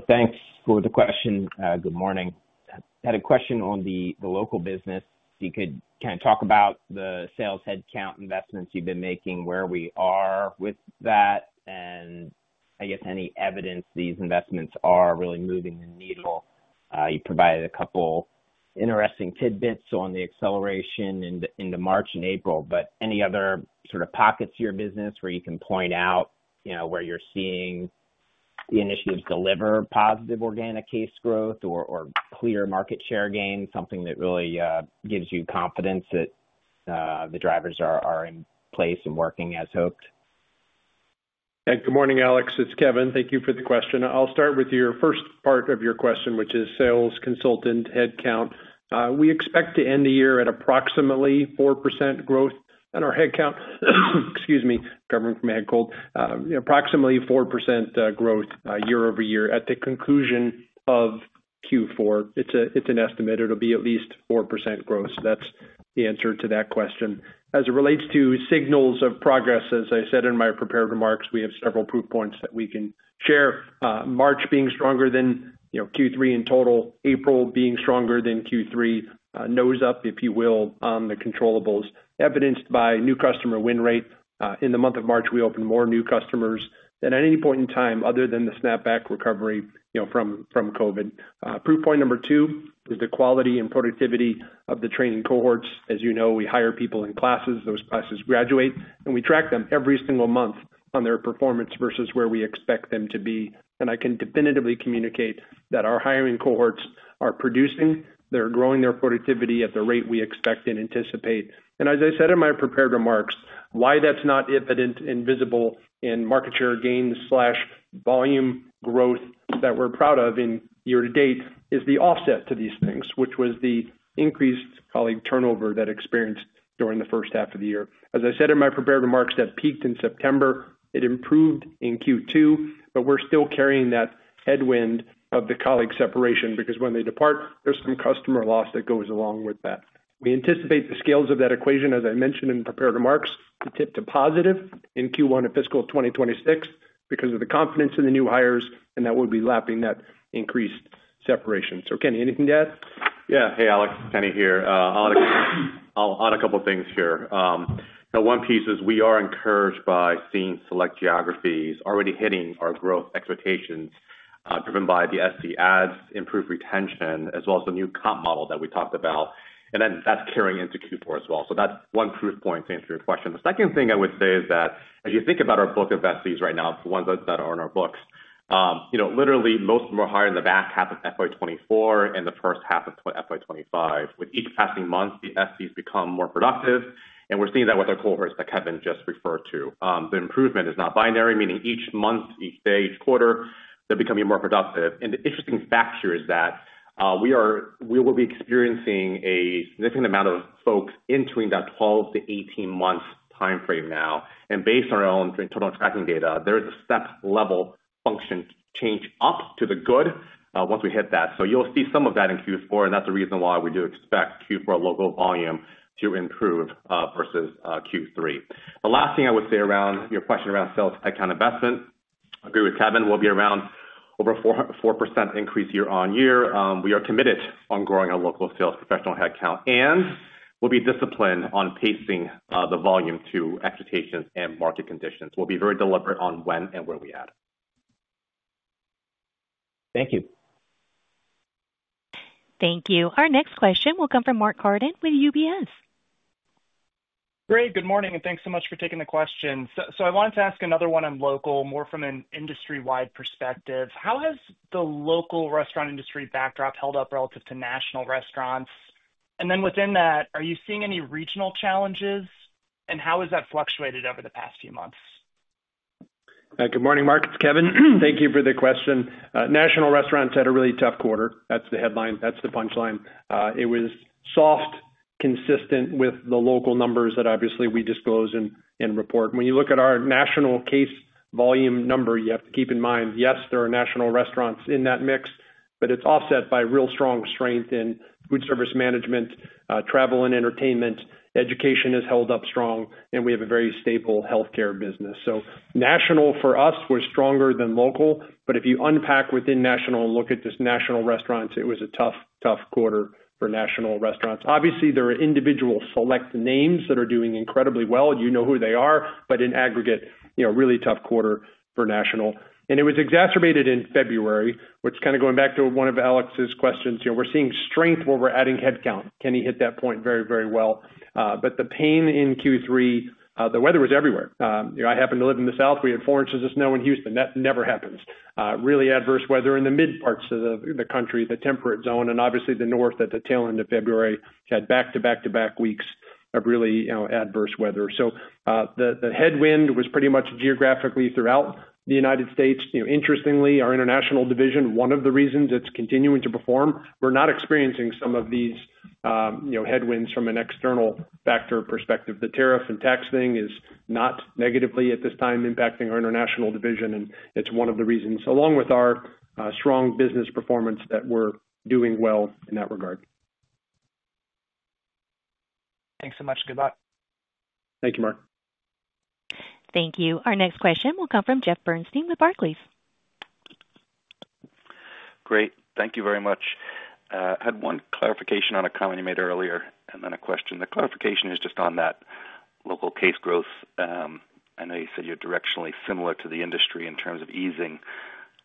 Thanks for the question. Good morning. I had a question on the local business. You could kind of talk about the sales headcount investments you've been making, where we are with that, and I guess any evidence these investments are really moving the needle. You provided a couple interesting tidbits on the acceleration into March and April, but any other sort of pockets of your business where you can point out where you're seeing the initiatives deliver positive organic case growth or clear market share gain, something that really gives you confidence that the drivers are in place and working as hoped? Hey. Good morning, Alex. It's Kevin. Thank you for the question. I'll start with your first part of your question, which is sales consultant headcount. We expect to end the year at approximately 4% growth in our headcount. Excuse me, recovering from a head cold. Approximately 4% growth year-over-year at the conclusion of Q4. It's an estimate. It'll be at least 4% growth. So that's the answer to that question. As it relates to signals of progress, as I said in my prepared remarks, we have several proof points that we can share. March being stronger than Q3 in total, April being stronger than Q3, nose up, if you will, on the controllables, evidenced by new customer win rate. In the month of March, we opened more new customers than at any point in time other than the snapback recovery from COVID. Proof point number two is the quality and productivity of the training cohorts. As you know, we hire people in classes. Those classes graduate, and we track them every single month on their performance versus where we expect them to be. I can definitively communicate that our hiring cohorts are producing. They're growing their productivity at the rate we expect and anticipate. As I said in my prepared remarks, why that's not evident and visible in market share gains/volume growth that we're proud of in year-to-date is the offset to these things, which was the increased colleague turnover that we experienced during the first half of the year. As I said in my prepared remarks, that peaked in September. It improved in Q2, but we're still carrying that headwind of the colleague separation because when they depart, there's some customer loss that goes along with that. We anticipate the scales of that equation, as I mentioned in prepared remarks, to tip to positive in Q1 of fiscal 2026 because of the confidence in the new hires and that we'll be lapping that increased separation. Kenny, anything to add? Yeah. Hey, Alex, Kenny here. I'll add a couple of things here. One piece is we are encouraged by seeing select geographies already hitting our growth expectations driven by the SC ads, improved retention, as well as the new comp model that we talked about. That is carrying into Q4 as well. That is one proof point to answer your question. The second thing I would say is that as you think about our book of SCs right now, the ones that are in our books, literally most of them are higher in the back half of FY 2024 and the first half of FY 2025. With each passing month, the SCs become more productive, and we are seeing that with our cohorts that Kevin just referred to. The improvement is not binary, meaning each month, each day, each quarter, they are becoming more productive. The interesting factor is that we will be experiencing a significant amount of folks in between that 12 months to 18 months timeframe now. Based on our own internal tracking data, there is a step-level function change up to the good once we hit that. You will see some of that in Q4, and that is the reason why we do expect Q4 local volume to improve versus Q3. The last thing I would say around your question around sales headcount investment, I agree with Kevin, we will be around over 4% increase year-on-year. We are committed on growing our local sales professional headcount and will be disciplined on pacing the volume to expectations and market conditions. We will be very deliberate on when and where we add. Thank you. Thank you. Our next question will come from Mark Carden with UBS. Great. Good morning, and thanks so much for taking the question. I wanted to ask another one on local, more from an industry-wide perspective. How has the local restaurant industry backdrop held up relative to national restaurants? Within that, are you seeing any regional challenges, and how has that fluctuated over the past few months? Good morning, Mark. It's Kevin. Thank you for the question. National restaurants had a really tough quarter. That's the headline. That's the punchline. It was soft, consistent with the local numbers that obviously we disclose and report. When you look at our national case volume number, you have to keep in mind, yes, there are national restaurants in that mix, but it's offset by real strong strength in food service management, travel and entertainment. Education has held up strong, and we have a very stable healthcare business. So, national for us was stronger than local, but if you unpack within national and look at just national restaurants, it was a tough, tough quarter for national restaurants. Obviously, there are individual select names that are doing incredibly well. You know who they are, but in aggregate, really tough quarter for national. It was exacerbated in February, which, kind of going back to one of Alex's questions, we are seeing strength where we are adding headcount. Kenny hit that point very, very well. The pain in Q3, the weather was everywhere. I happen to live in the south. We had 4 inches of snow in Houston. That never happens. Really adverse weather in the mid parts of the country, the temperate zone, and obviously the north at the tail end of February. We had back-to-back-to-back weeks of really adverse weather. The headwind was pretty much geographically throughout the United States. Interestingly, our international division, one of the reasons it's continuing to perform, we're not experiencing some of these headwinds from an external factor perspective. The tariff and tax thing is not negatively at this time impacting our international division, and it's one of the reasons, along with our strong business performance, that we're doing well in that regard. Thanks so much. Good luck. Thank you, Mark. Thank you. Our next question will come from Jeff Bernstein with Barclays. Great. Thank you very much. I had one clarification on a comment you made earlier and then a question. The clarification is just on that local case growth. I know you said you're directionally similar to the industry in terms of easing.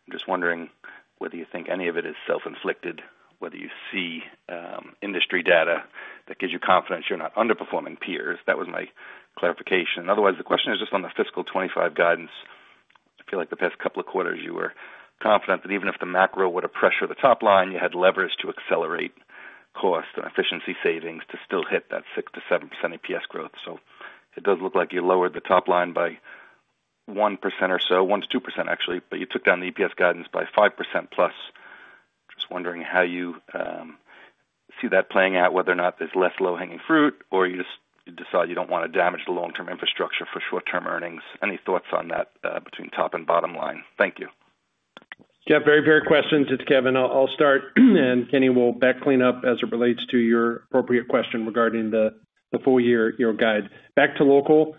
I'm just wondering whether you think any of it is self-inflicted, whether you see industry data that gives you confidence you're not underperforming peers. That was my clarification. Otherwise, the question is just on the fiscal 2025 guidance. I feel like the past couple of quarters you were confident that even if the macro were to pressure the top line, you had levers to accelerate cost and efficiency savings to still hit that 6%-7% EPS growth. It does look like you lowered the top line by 1% or so, 1%-2% actually, but you took down the EPS guidance by 5%+. Just wondering how you see that playing out, whether or not there's less low-hanging fruit or you just decide you don't want to damage the long-term infrastructure for short-term earnings. Any thoughts on that between top and bottom line? Thank you. Jeff, very fair questions. It's Kevin. I'll start, and Kenny will bat cleanup as it relates to your appropriate question regarding the full-year guide. Back to local,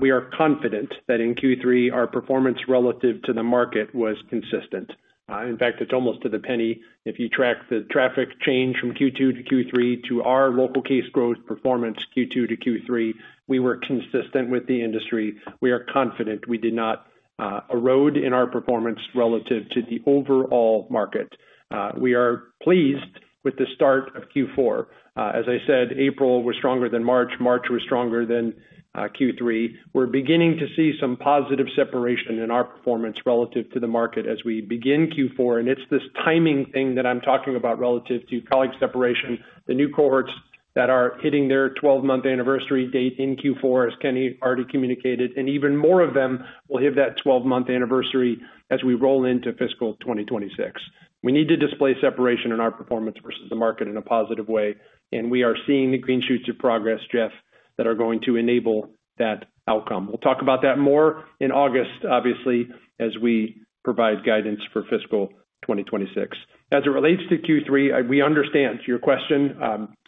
we are confident that in Q3 our performance relative to the market was consistent. In fact, it's almost to the penny. If you track the traffic change from Q2-Q3 to our local case growth performance Q2-Q3, we were consistent with the industry. We are confident we did not erode in our performance relative to the overall market. We are pleased with the start of Q4. As I said, April was stronger than March. March was stronger than Q3. We're beginning to see some positive separation in our performance relative to the market as we begin Q4. It is this timing thing that I'm talking about relative to colleague separation. The new cohorts that are hitting their 12-month anniversary date in Q4, as Kenny already communicated, and even more of them will hit that 12-month anniversary as we roll into fiscal 2026. We need to display separation in our performance versus the market in a positive way. We are seeing the green shoots of progress, Jeff, that are going to enable that outcome. We will talk about that more in August, obviously, as we provide guidance for fiscal 2026. As it relates to Q3, we understand your question.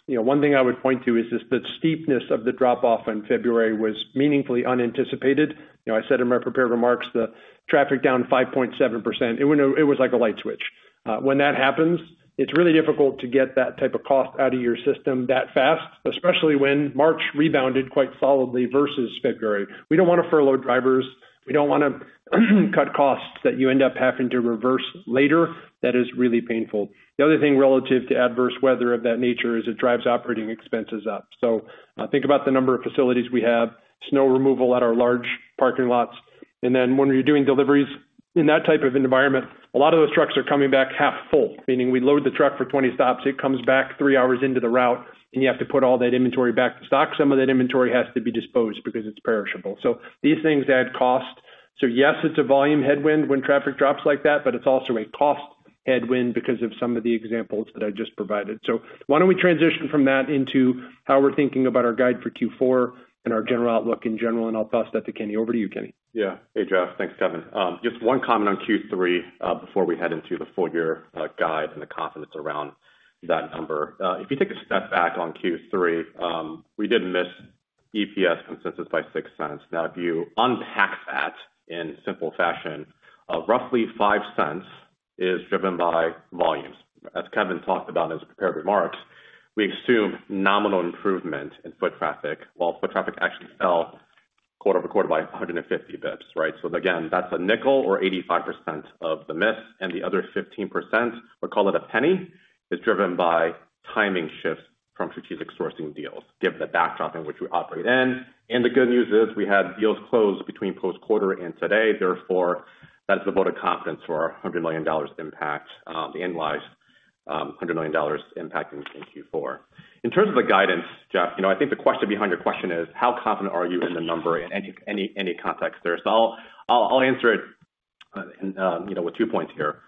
One thing I would point to is just the steepness of the drop-off in February was meaningfully unanticipated. I said in my prepared remarks, the traffic down 5.7%. It was like a light switch. When that happens, it is really difficult to get that type of cost out of your system that fast, especially when March rebounded quite solidly versus February. We don't want to furlough drivers. We don't want to cut costs that you end up having to reverse later. That is really painful. The other thing relative to adverse weather of that nature is it drives operating expenses up. Think about the number of facilities we have, snow removal at our large parking lots. When you're doing deliveries in that type of environment, a lot of those trucks are coming back half full, meaning we load the truck for 20 stops. It comes back three hours into the route, and you have to put all that inventory back to stock. Some of that inventory has to be disposed because it's perishable. These things add cost. Yes, it's a volume headwind when traffic drops like that, but it's also a cost headwind because of some of the examples that I just provided. Why don't we transition from that into how we're thinking about our guide for Q4 and our general outlook in general? I'll toss that to Kenny. Over to you, Kenny. Yeah. Hey, Jeff. Thanks, Kevin. Just one comment on Q3 before we head into the full-year guide and the confidence around that number. If you take a step back on Q3, we did miss EPS consensus by $6.00. Now, if you unpack that in simple fashion, roughly $5.00 is driven by volumes. As Kevin talked about in his prepared remarks, we assume nominal improvement in foot traffic while foot traffic actually fell quarter-over-quarter by 150 basis points, right? Again, that's a nickel or 85% of the miss. The other 15%, we'll call it a penny, is driven by timing shifts from strategic sourcing deals, given the backdrop in which we operate in. The good news is we had deals closed between post-quarter and today. Therefore, that's the vote of confidence for our $100 million impact, the annualized $100 million impact in Q4. In terms of the guidance, Jeff, I think the question behind your question is, how confident are you in the number in any context there? I'll answer it with two points here.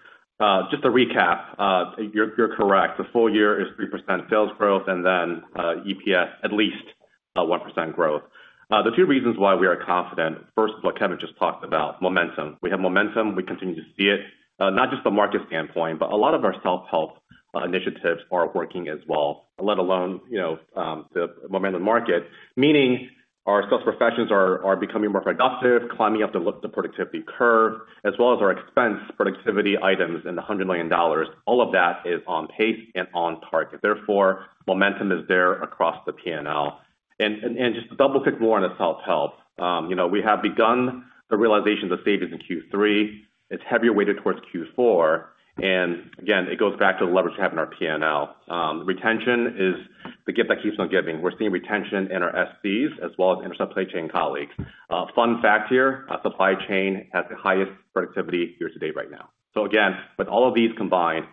Just to recap, you're correct. The full year is 3% sales growth, and then EPS at least 1% growth. The two reasons why we are confident, first is what Kevin just talked about, momentum. We have momentum. We continue to see it, not just from a market standpoint, but a lot of our self-help initiatives are working as well, let alone the momentum market, meaning our sales professionals are becoming more productive, climbing up the productivity curve, as well as our expense productivity items in the $100 million. All of that is on pace and on target. Therefore, momentum is there across the P&L. To double-click more on the self-help, we have begun the realization of savings in Q3. It is heavier weighted towards Q4. Again, it goes back to the leverage we have in our P&L. Retention is the gift that keeps on giving. We are seeing retention in our SCs as well as in our supply chain colleagues. Fun fact here, supply chain has the highest productivity year-to-date right now. With all of these combined,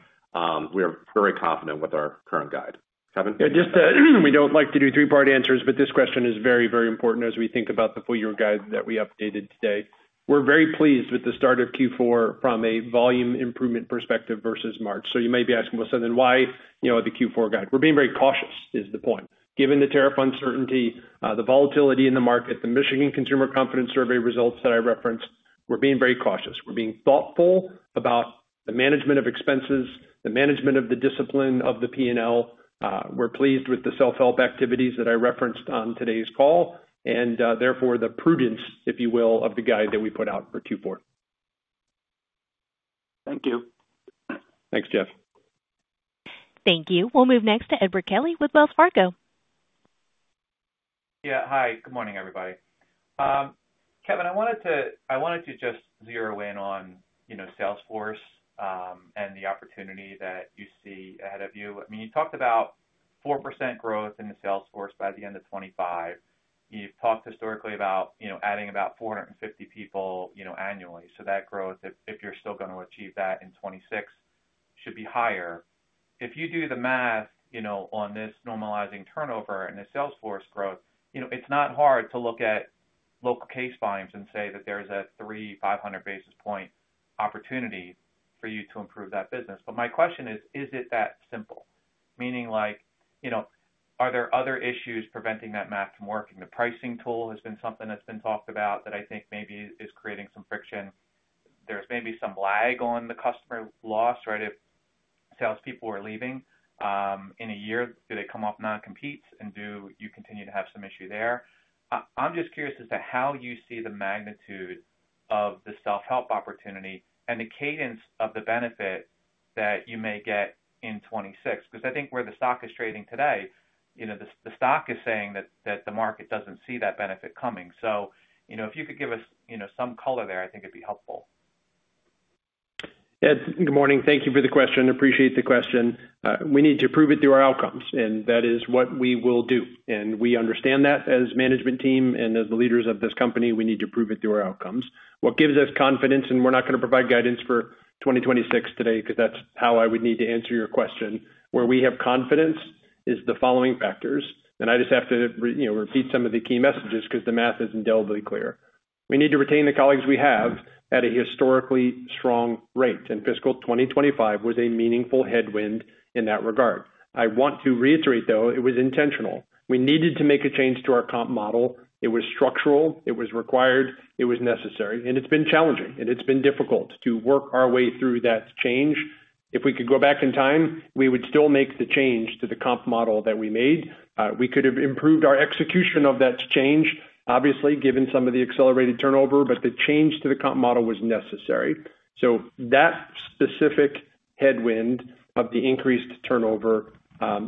we are very confident with our current guide. Kevin? Yeah, just that we do not like to do three-part answers, but this question is very, very important as we think about the full-year guide that we updated today. We are very pleased with the start of Q4 from a volume improvement perspective versus March. You may be asking, well, so then why the Q4 guide? We are being very cautious is the point. Given the tariff uncertainty, the volatility in the market, the Michigan Consumer Confidence Survey results that I referenced, we are being very cautious. We are being thoughtful about the management of expenses, the management of the discipline of the P&L. We are pleased with the self-help activities that I referenced on today's call, and therefore the prudence, if you will, of the guide that we put out for Q4. Thank you. Thanks, Jeff. Thank you. We will move next to Edward Kelly with Wells Fargo. Yeah. Hi. Good morning, everybody. Kevin, I wanted to just zero in on sales force and the opportunity that you see ahead of you. I mean, you talked about 4% growth in the sales force by the end of 2025. You've talked historically about adding about 450 people annually. So that growth, if you're still going to achieve that in 2026, should be higher. If you do the math on this normalizing turnover and the sales force growth, it's not hard to look at local case volumes and say that there's a 3,500 basis point opportunity for you to improve that business. My question is, is it that simple? Meaning, are there other issues preventing that math from working? The pricing tool has been something that's been talked about that I think maybe is creating some friction. There's maybe some lag on the customer loss, right? If salespeople are leaving in a year, do they come off non-competes and do you continue to have some issue there? I'm just curious as to how you see the magnitude of the self-help opportunity and the cadence of the benefit that you may get in 2026. Because I think where the stock is trading today, the stock is saying that the market doesn't see that benefit coming. If you could give us some color there, I think it'd be helpful. Good morning. Thank you for the question. Appreciate the question. We need to prove it through our outcomes, and that is what we will do. We understand that as a management team and as the leaders of this company, we need to prove it through our outcomes. What gives us confidence, and we're not going to provide guidance for 2026 today because that's how I would need to answer your question, where we have confidence is the following factors. I just have to repeat some of the key messages because the math isn't dull but clear. We need to retain the colleagues we have at a historically strong rate, and fiscal 2025 was a meaningful headwind in that regard. I want to reiterate, though, it was intentional. We needed to make a change to our comp model. It was structural. It was required. It was necessary. It has been challenging, and it has been difficult to work our way through that change. If we could go back in time, we would still make the change to the comp model that we made. We could have improved our execution of that change, obviously, given some of the accelerated turnover, but the change to the comp model was necessary. That specific headwind of the increased turnover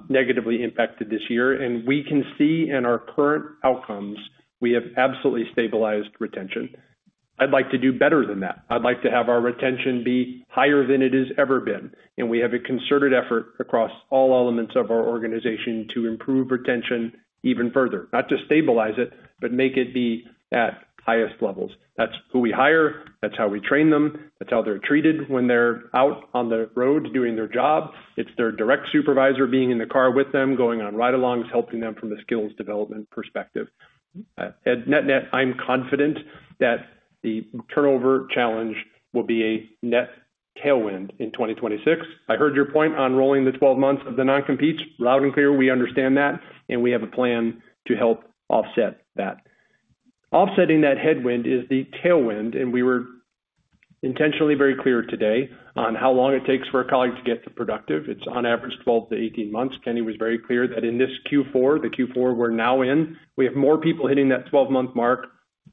negatively impacted this year. We can see in our current outcomes, we have absolutely stabilized retention. I'd like to do better than that. I'd like to have our retention be higher than it has ever been. We have a concerted effort across all elements of our organization to improve retention even further, not to stabilize it, but make it be at highest levels. That's who we hire. That's how we train them. That's how they're treated when they're out on the road doing their job. It's their direct supervisor being in the car with them, going on ride-alongs, helping them from a skills development perspective. Net-net, I'm confident that the turnover challenge will be a net tailwind in 2026. I heard your point on rolling the 12 months of the non-competes. Loud and clear, we understand that, and we have a plan to help offset that. Offsetting that headwind is the tailwind, and we were intentionally very clear today on how long it takes for a colleague to get to productive. It's on average 12 months-18 months. Kenny was very clear that in this Q4, the Q4 we're now in, we have more people hitting that 12-month mark,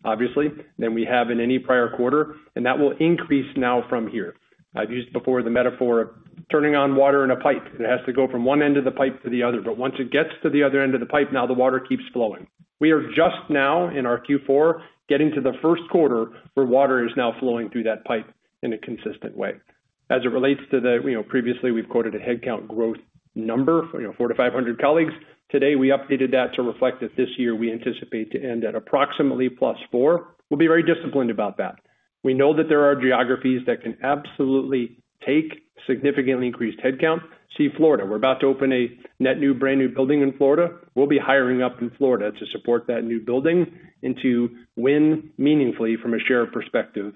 obviously, than we have in any prior quarter, and that will increase now from here. I've used before the metaphor of turning on water in a pipe. It has to go from one end of the pipe to the other. Once it gets to the other end of the pipe, now the water keeps flowing. We are just now in our Q4 getting to the first quarter where water is now flowing through that pipe in a consistent way. As it relates to the previously, we've quoted a headcount growth number for 4,500 colleagues. Today, we updated that to reflect that this year we anticipate to end at approximately +4. We'll be very disciplined about that. We know that there are geographies that can absolutely take significantly increased headcount. See Florida. We're about to open a net new, brand new building in Florida. We'll be hiring up in Florida to support that new building and to win meaningfully from a share perspective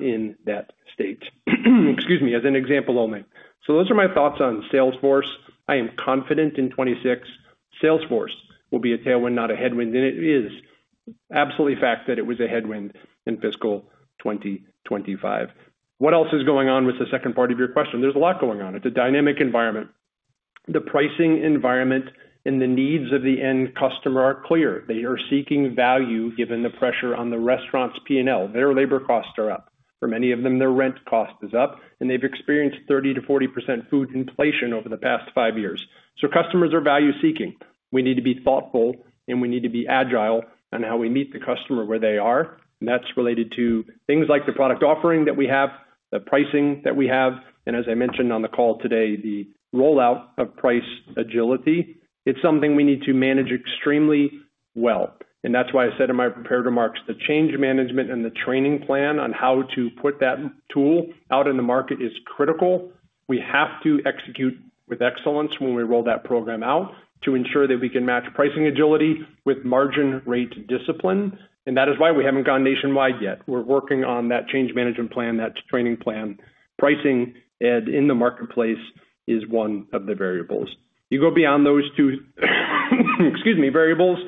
in that state. Excuse me, as an example only. Those are my thoughts on Salesforce. I am confident in 2026. Salesforce will be a tailwind, not a headwind, and it is absolutely fact that it was a headwind in fiscal 2025. What else is going on with the second part of your question? There is a lot going on. It is a dynamic environment. The pricing environment and the needs of the end customer are clear. They are seeking value given the pressure on the restaurant's P&L. Their labor costs are up. For many of them, their rent cost is up, and they have experienced 30%-40% food inflation over the past five years. Customers are value-seeking. We need to be thoughtful, and we need to be agile on how we meet the customer where they are. That is related to things like the product offering that we have, the pricing that we have, and as I mentioned on the call today, the rollout of price agility. It is something we need to manage extremely well. That is why I said in my prepared remarks, the change management and the training plan on how to put that tool out in the market is critical. We have to execute with excellence when we roll that program out to ensure that we can match pricing agility with margin rate discipline. That is why we have not gone nationwide yet. We are working on that change management plan, that training plan. Pricing in the marketplace is one of the variables. You go beyond those two variables,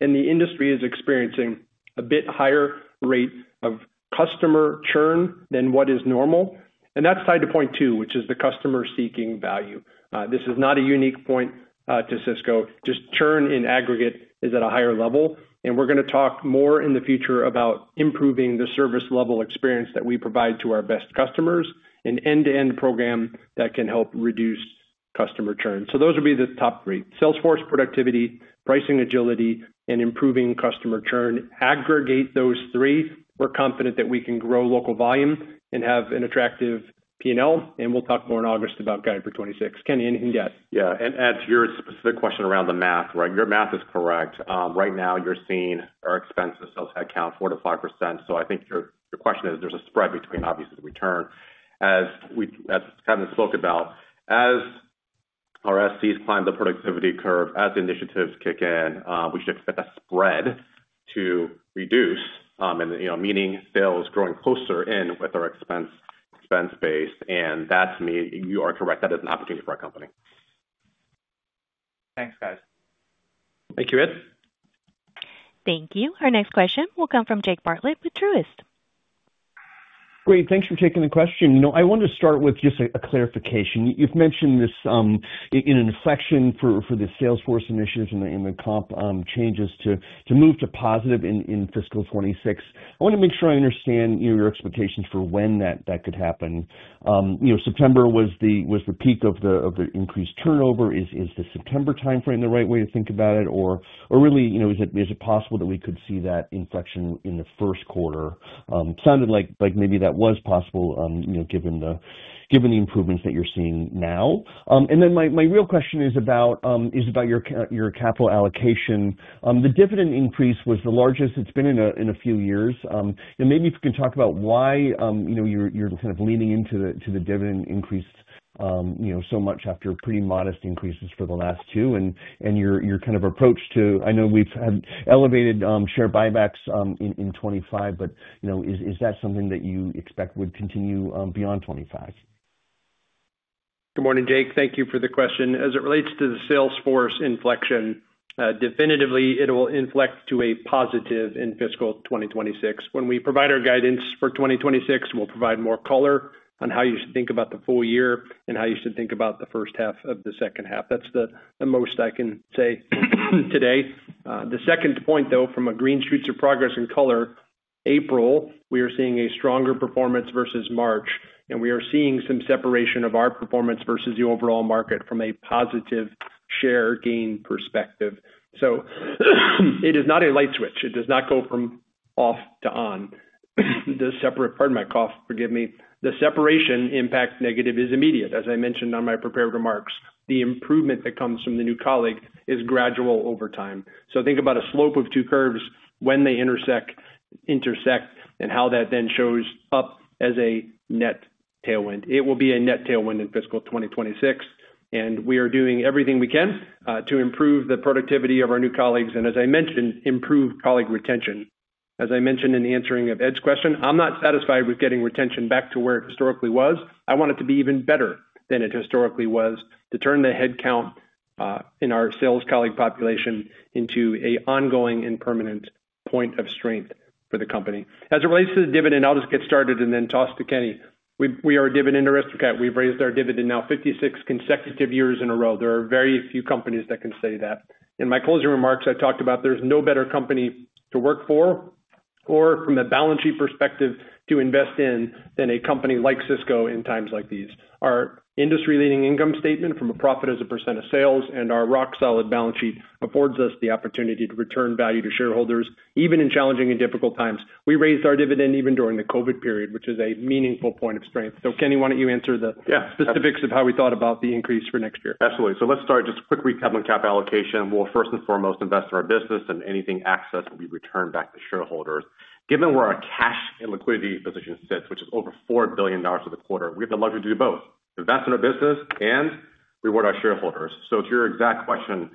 and the industry is experiencing a bit higher rate of customer churn than what is normal. That is tied to point two, which is the customer seeking value. This is not a unique point to Sysco. Just churn in aggregate is at a higher level. We're going to talk more in the future about improving the service-level experience that we provide to our best customers, an end-to-end program that can help reduce customer churn. Those would be the top three: Salesforce productivity, pricing agility, and improving customer churn. Aggregate those three. We're confident that we can grow local volume and have an attractive P&L. We'll talk more in August about Guide for 2026. Kenny, anything to add? Yeah. Add to your specific question around the math, right? Your math is correct. Right now, you're seeing our expensive sales headcount, 4%-5%. I think your question is there's a spread between, obviously, the return, as Kevin spoke about. As our SCs climb the productivity curve, as initiatives kick in, we should expect a spread to reduce, meaning sales growing closer in with our expense base. That's me. You are correct. That is an opportunity for our company. Thanks, guys. Thank you, Ed. Thank you. Our next question will come from Jake Bartlett with Truist. Great. Thanks for taking the question. I wanted to start with just a clarification. You've mentioned this in an inflection for the Salesforce initiatives and the comp changes to move to positive in fiscal 2026. I want to make sure I understand your expectations for when that could happen. September was the peak of the increased turnover. Is the September timeframe the right way to think about it? Or really, is it possible that we could see that inflection in the first quarter? Sounded like maybe that was possible given the improvements that you're seeing now. My real question is about your capital allocation. The dividend increase was the largest. It's been in a few years. Maybe if you can talk about why you're kind of leaning into the dividend increase so much after pretty modest increases for the last two. Your kind of approach to, I know we've had elevated share buybacks in 2025, but is that something that you expect would continue beyond 2025? Good morning, Jake. Thank you for the question. As it relates to the Salesforce inflection, definitively, it will inflect to a positive in fiscal 2026. When we provide our guidance for 2026, we'll provide more color on how you should think about the full year and how you should think about the first half of the second half. That's the most I can say today. The second point, though, from a green shoots of progress and color, April, we are seeing a stronger performance versus March. We are seeing some separation of our performance versus the overall market from a positive share gain perspective. It is not a light switch. It does not go from off to on. Pardon my cough. Forgive me. The separation impact negative is immediate, as I mentioned on my prepared remarks. The improvement that comes from the new colleague is gradual over time. Think about a slope of two curves when they intersect and how that then shows up as a net tailwind. It will be a net tailwind in fiscal 2026. We are doing everything we can to improve the productivity of our new colleagues and, as I mentioned, improve colleague retention. As I mentioned in the answering of Ed's question, I'm not satisfied with getting retention back to where it historically was. I want it to be even better than it historically was to turn the headcount in our sales colleague population into an ongoing and permanent point of strength for the company. As it relates to the dividend, I'll just get started and then toss to Kenny. We are a Dividend Aristocrat. We've raised our dividend now 56th consecutive years in a row. There are very few companies that can say that. In my closing remarks, I talked about there's no better company to work for or from a balance sheet perspective to invest in than a company like Sysco in times like these. Our industry-leading income statement from a profit as a % of sales and our rock-solid balance sheet affords us the opportunity to return value to shareholders, even in challenging and difficult times. We raised our dividend even during the COVID period, which is a meaningful point of strength. Kenny, why don't you answer the specifics of how we thought about the increase for next year? Absolutely. Let's start with just a quick recap on cap allocation. First and foremost, we'll invest in our business, and anything excess will be returned back to shareholders. Given where our cash and liquidity position sits, which is over $4 billion for the quarter, we have the luxury to do both: invest in our business and reward our shareholders. To your exact question,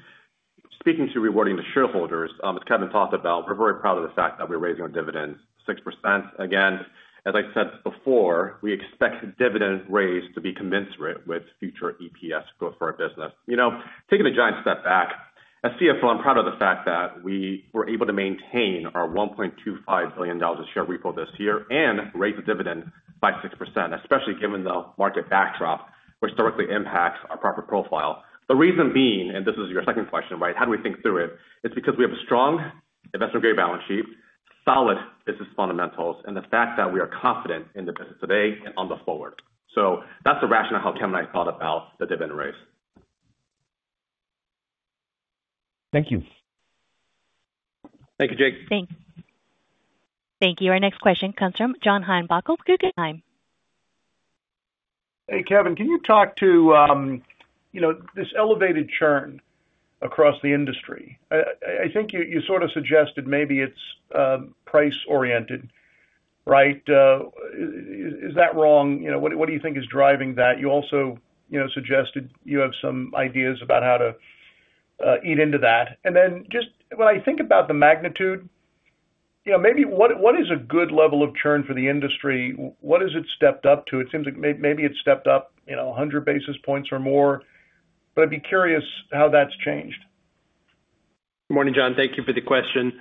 speaking to rewarding the shareholders, as Kevin talked about, we're very proud of the fact that we're raising our dividends, 6%. Again, as I said before, we expect dividend raise to be commensurate with future EPS growth for our business. Taking a giant step back, as CFO, I'm proud of the fact that we were able to maintain our $1.25 billion share repurchase this year and raise the dividend by 6%, especially given the market backdrop, which directly impacts our profit profile. The reason being, and this is your second question, right? How do we think through it? It's because we have a strong investment-grade balance sheet, solid business fundamentals, and the fact that we are confident in the business today and on the forward. That's the rationale how Kevin and I thought about the dividend raise. Thank you. Thank you, Jake. Thanks. Thank you. Our next question comes from John Heinbockel with Guggenheim. Hey, Kevin, can you talk to this elevated churn across the industry? I think you sort of suggested maybe it's price-oriented, right? Is that wrong? What do you think is driving that? You also suggested you have some ideas about how to eat into that. Just when I think about the magnitude, maybe what is a good level of churn for the industry? What has it stepped up to? It seems like maybe it stepped up 100 basis points or more, but I'd be curious how that's changed. Good morning, John. Thank you for the question.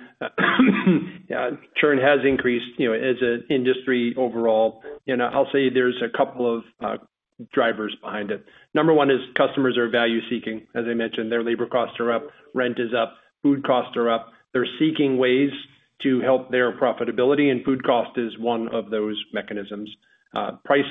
Churn has increased as an industry overall. I'll say there's a couple of drivers behind it. Number one is customers are value-seeking. As I mentioned, their labor costs are up, rent is up, food costs are up. They're seeking ways to help their profitability, and food cost is one of those mechanisms. Price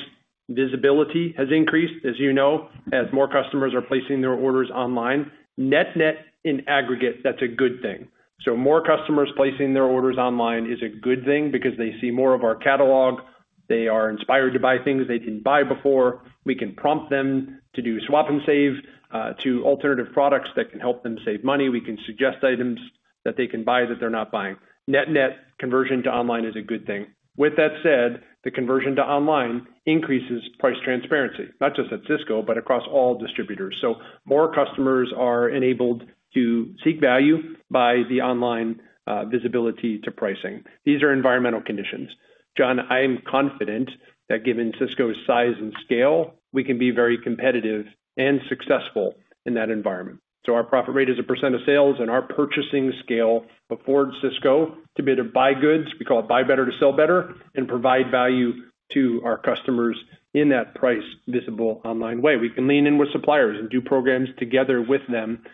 visibility has increased, as you know, as more customers are placing their orders online. Net-net, in aggregate, that's a good thing. More customers placing their orders online is a good thing because they see more of our catalog. They are inspired to buy things they did not buy before. We can prompt them to do swap and save to alternative products that can help them save money. We can suggest items that they can buy that they are not buying. Net-net, conversion to online is a good thing. With that said, the conversion to online increases price transparency, not just at Sysco, but across all distributors. More customers are enabled to seek value by the online visibility to pricing. These are environmental conditions. John, I am confident that given Sysco's size and scale, we can be very competitive and successful in that environment. Our profit rate is a percent of sales, and our purchasing scale affords Sysco to be able to buy goods. We call it buy better to sell better and provide value to our customers in that price-visible online way. We can lean in with suppliers and do programs together with them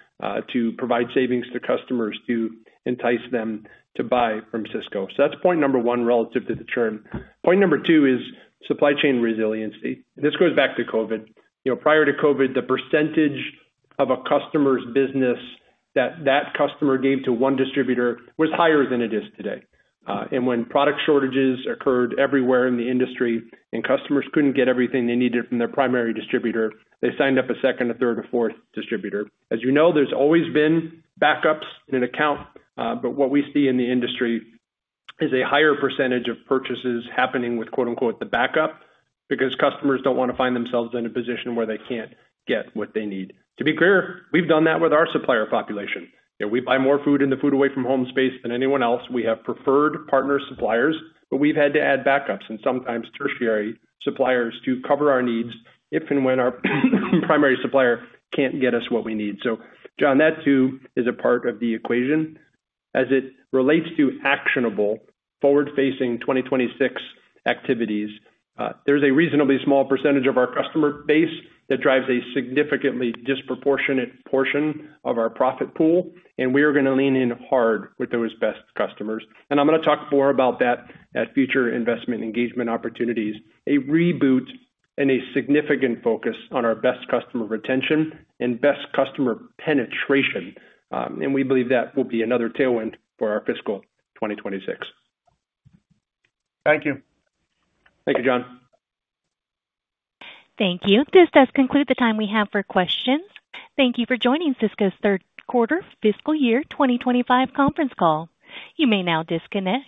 to provide savings to customers to entice them to buy from Sysco. That's point number one relative to the churn. Point number two is supply chain resiliency. This goes back to COVID. Prior to COVID, the percentage of a customer's business that that customer gave to one distributor was higher than it is today. When product shortages occurred everywhere in the industry and customers couldn't get everything they needed from their primary distributor, they signed up a second, a third, a fourth distributor. As you know, there's always been backups in an account, but what we see in the industry is a higher % of purchases happening with "the backup" because customers don't want to find themselves in a position where they can't get what they need. To be clear, we've done that with our supplier population. We buy more food in the food-away-from-home space than anyone else. We have preferred partner suppliers, but we've had to add backups and sometimes tertiary suppliers to cover our needs if and when our primary supplier can't get us what we need. John, that too is a part of the equation. As it relates to actionable forward-facing 2026 activities, there's a reasonably small % of our customer base that drives a significantly disproportionate portion of our profit pool, and we are going to lean in hard with those best customers. I'm going to talk more about that at future investment engagement opportunities, a reboot, and a significant focus on our best customer retention and best customer penetration. We believe that will be another tailwind for our fiscal 2026. Thank you. Thank you, John. Thank you. This does conclude the time we have for questions. Thank you for joining Sysco's third quarter fiscal year 2025 conference call. You may now disconnect.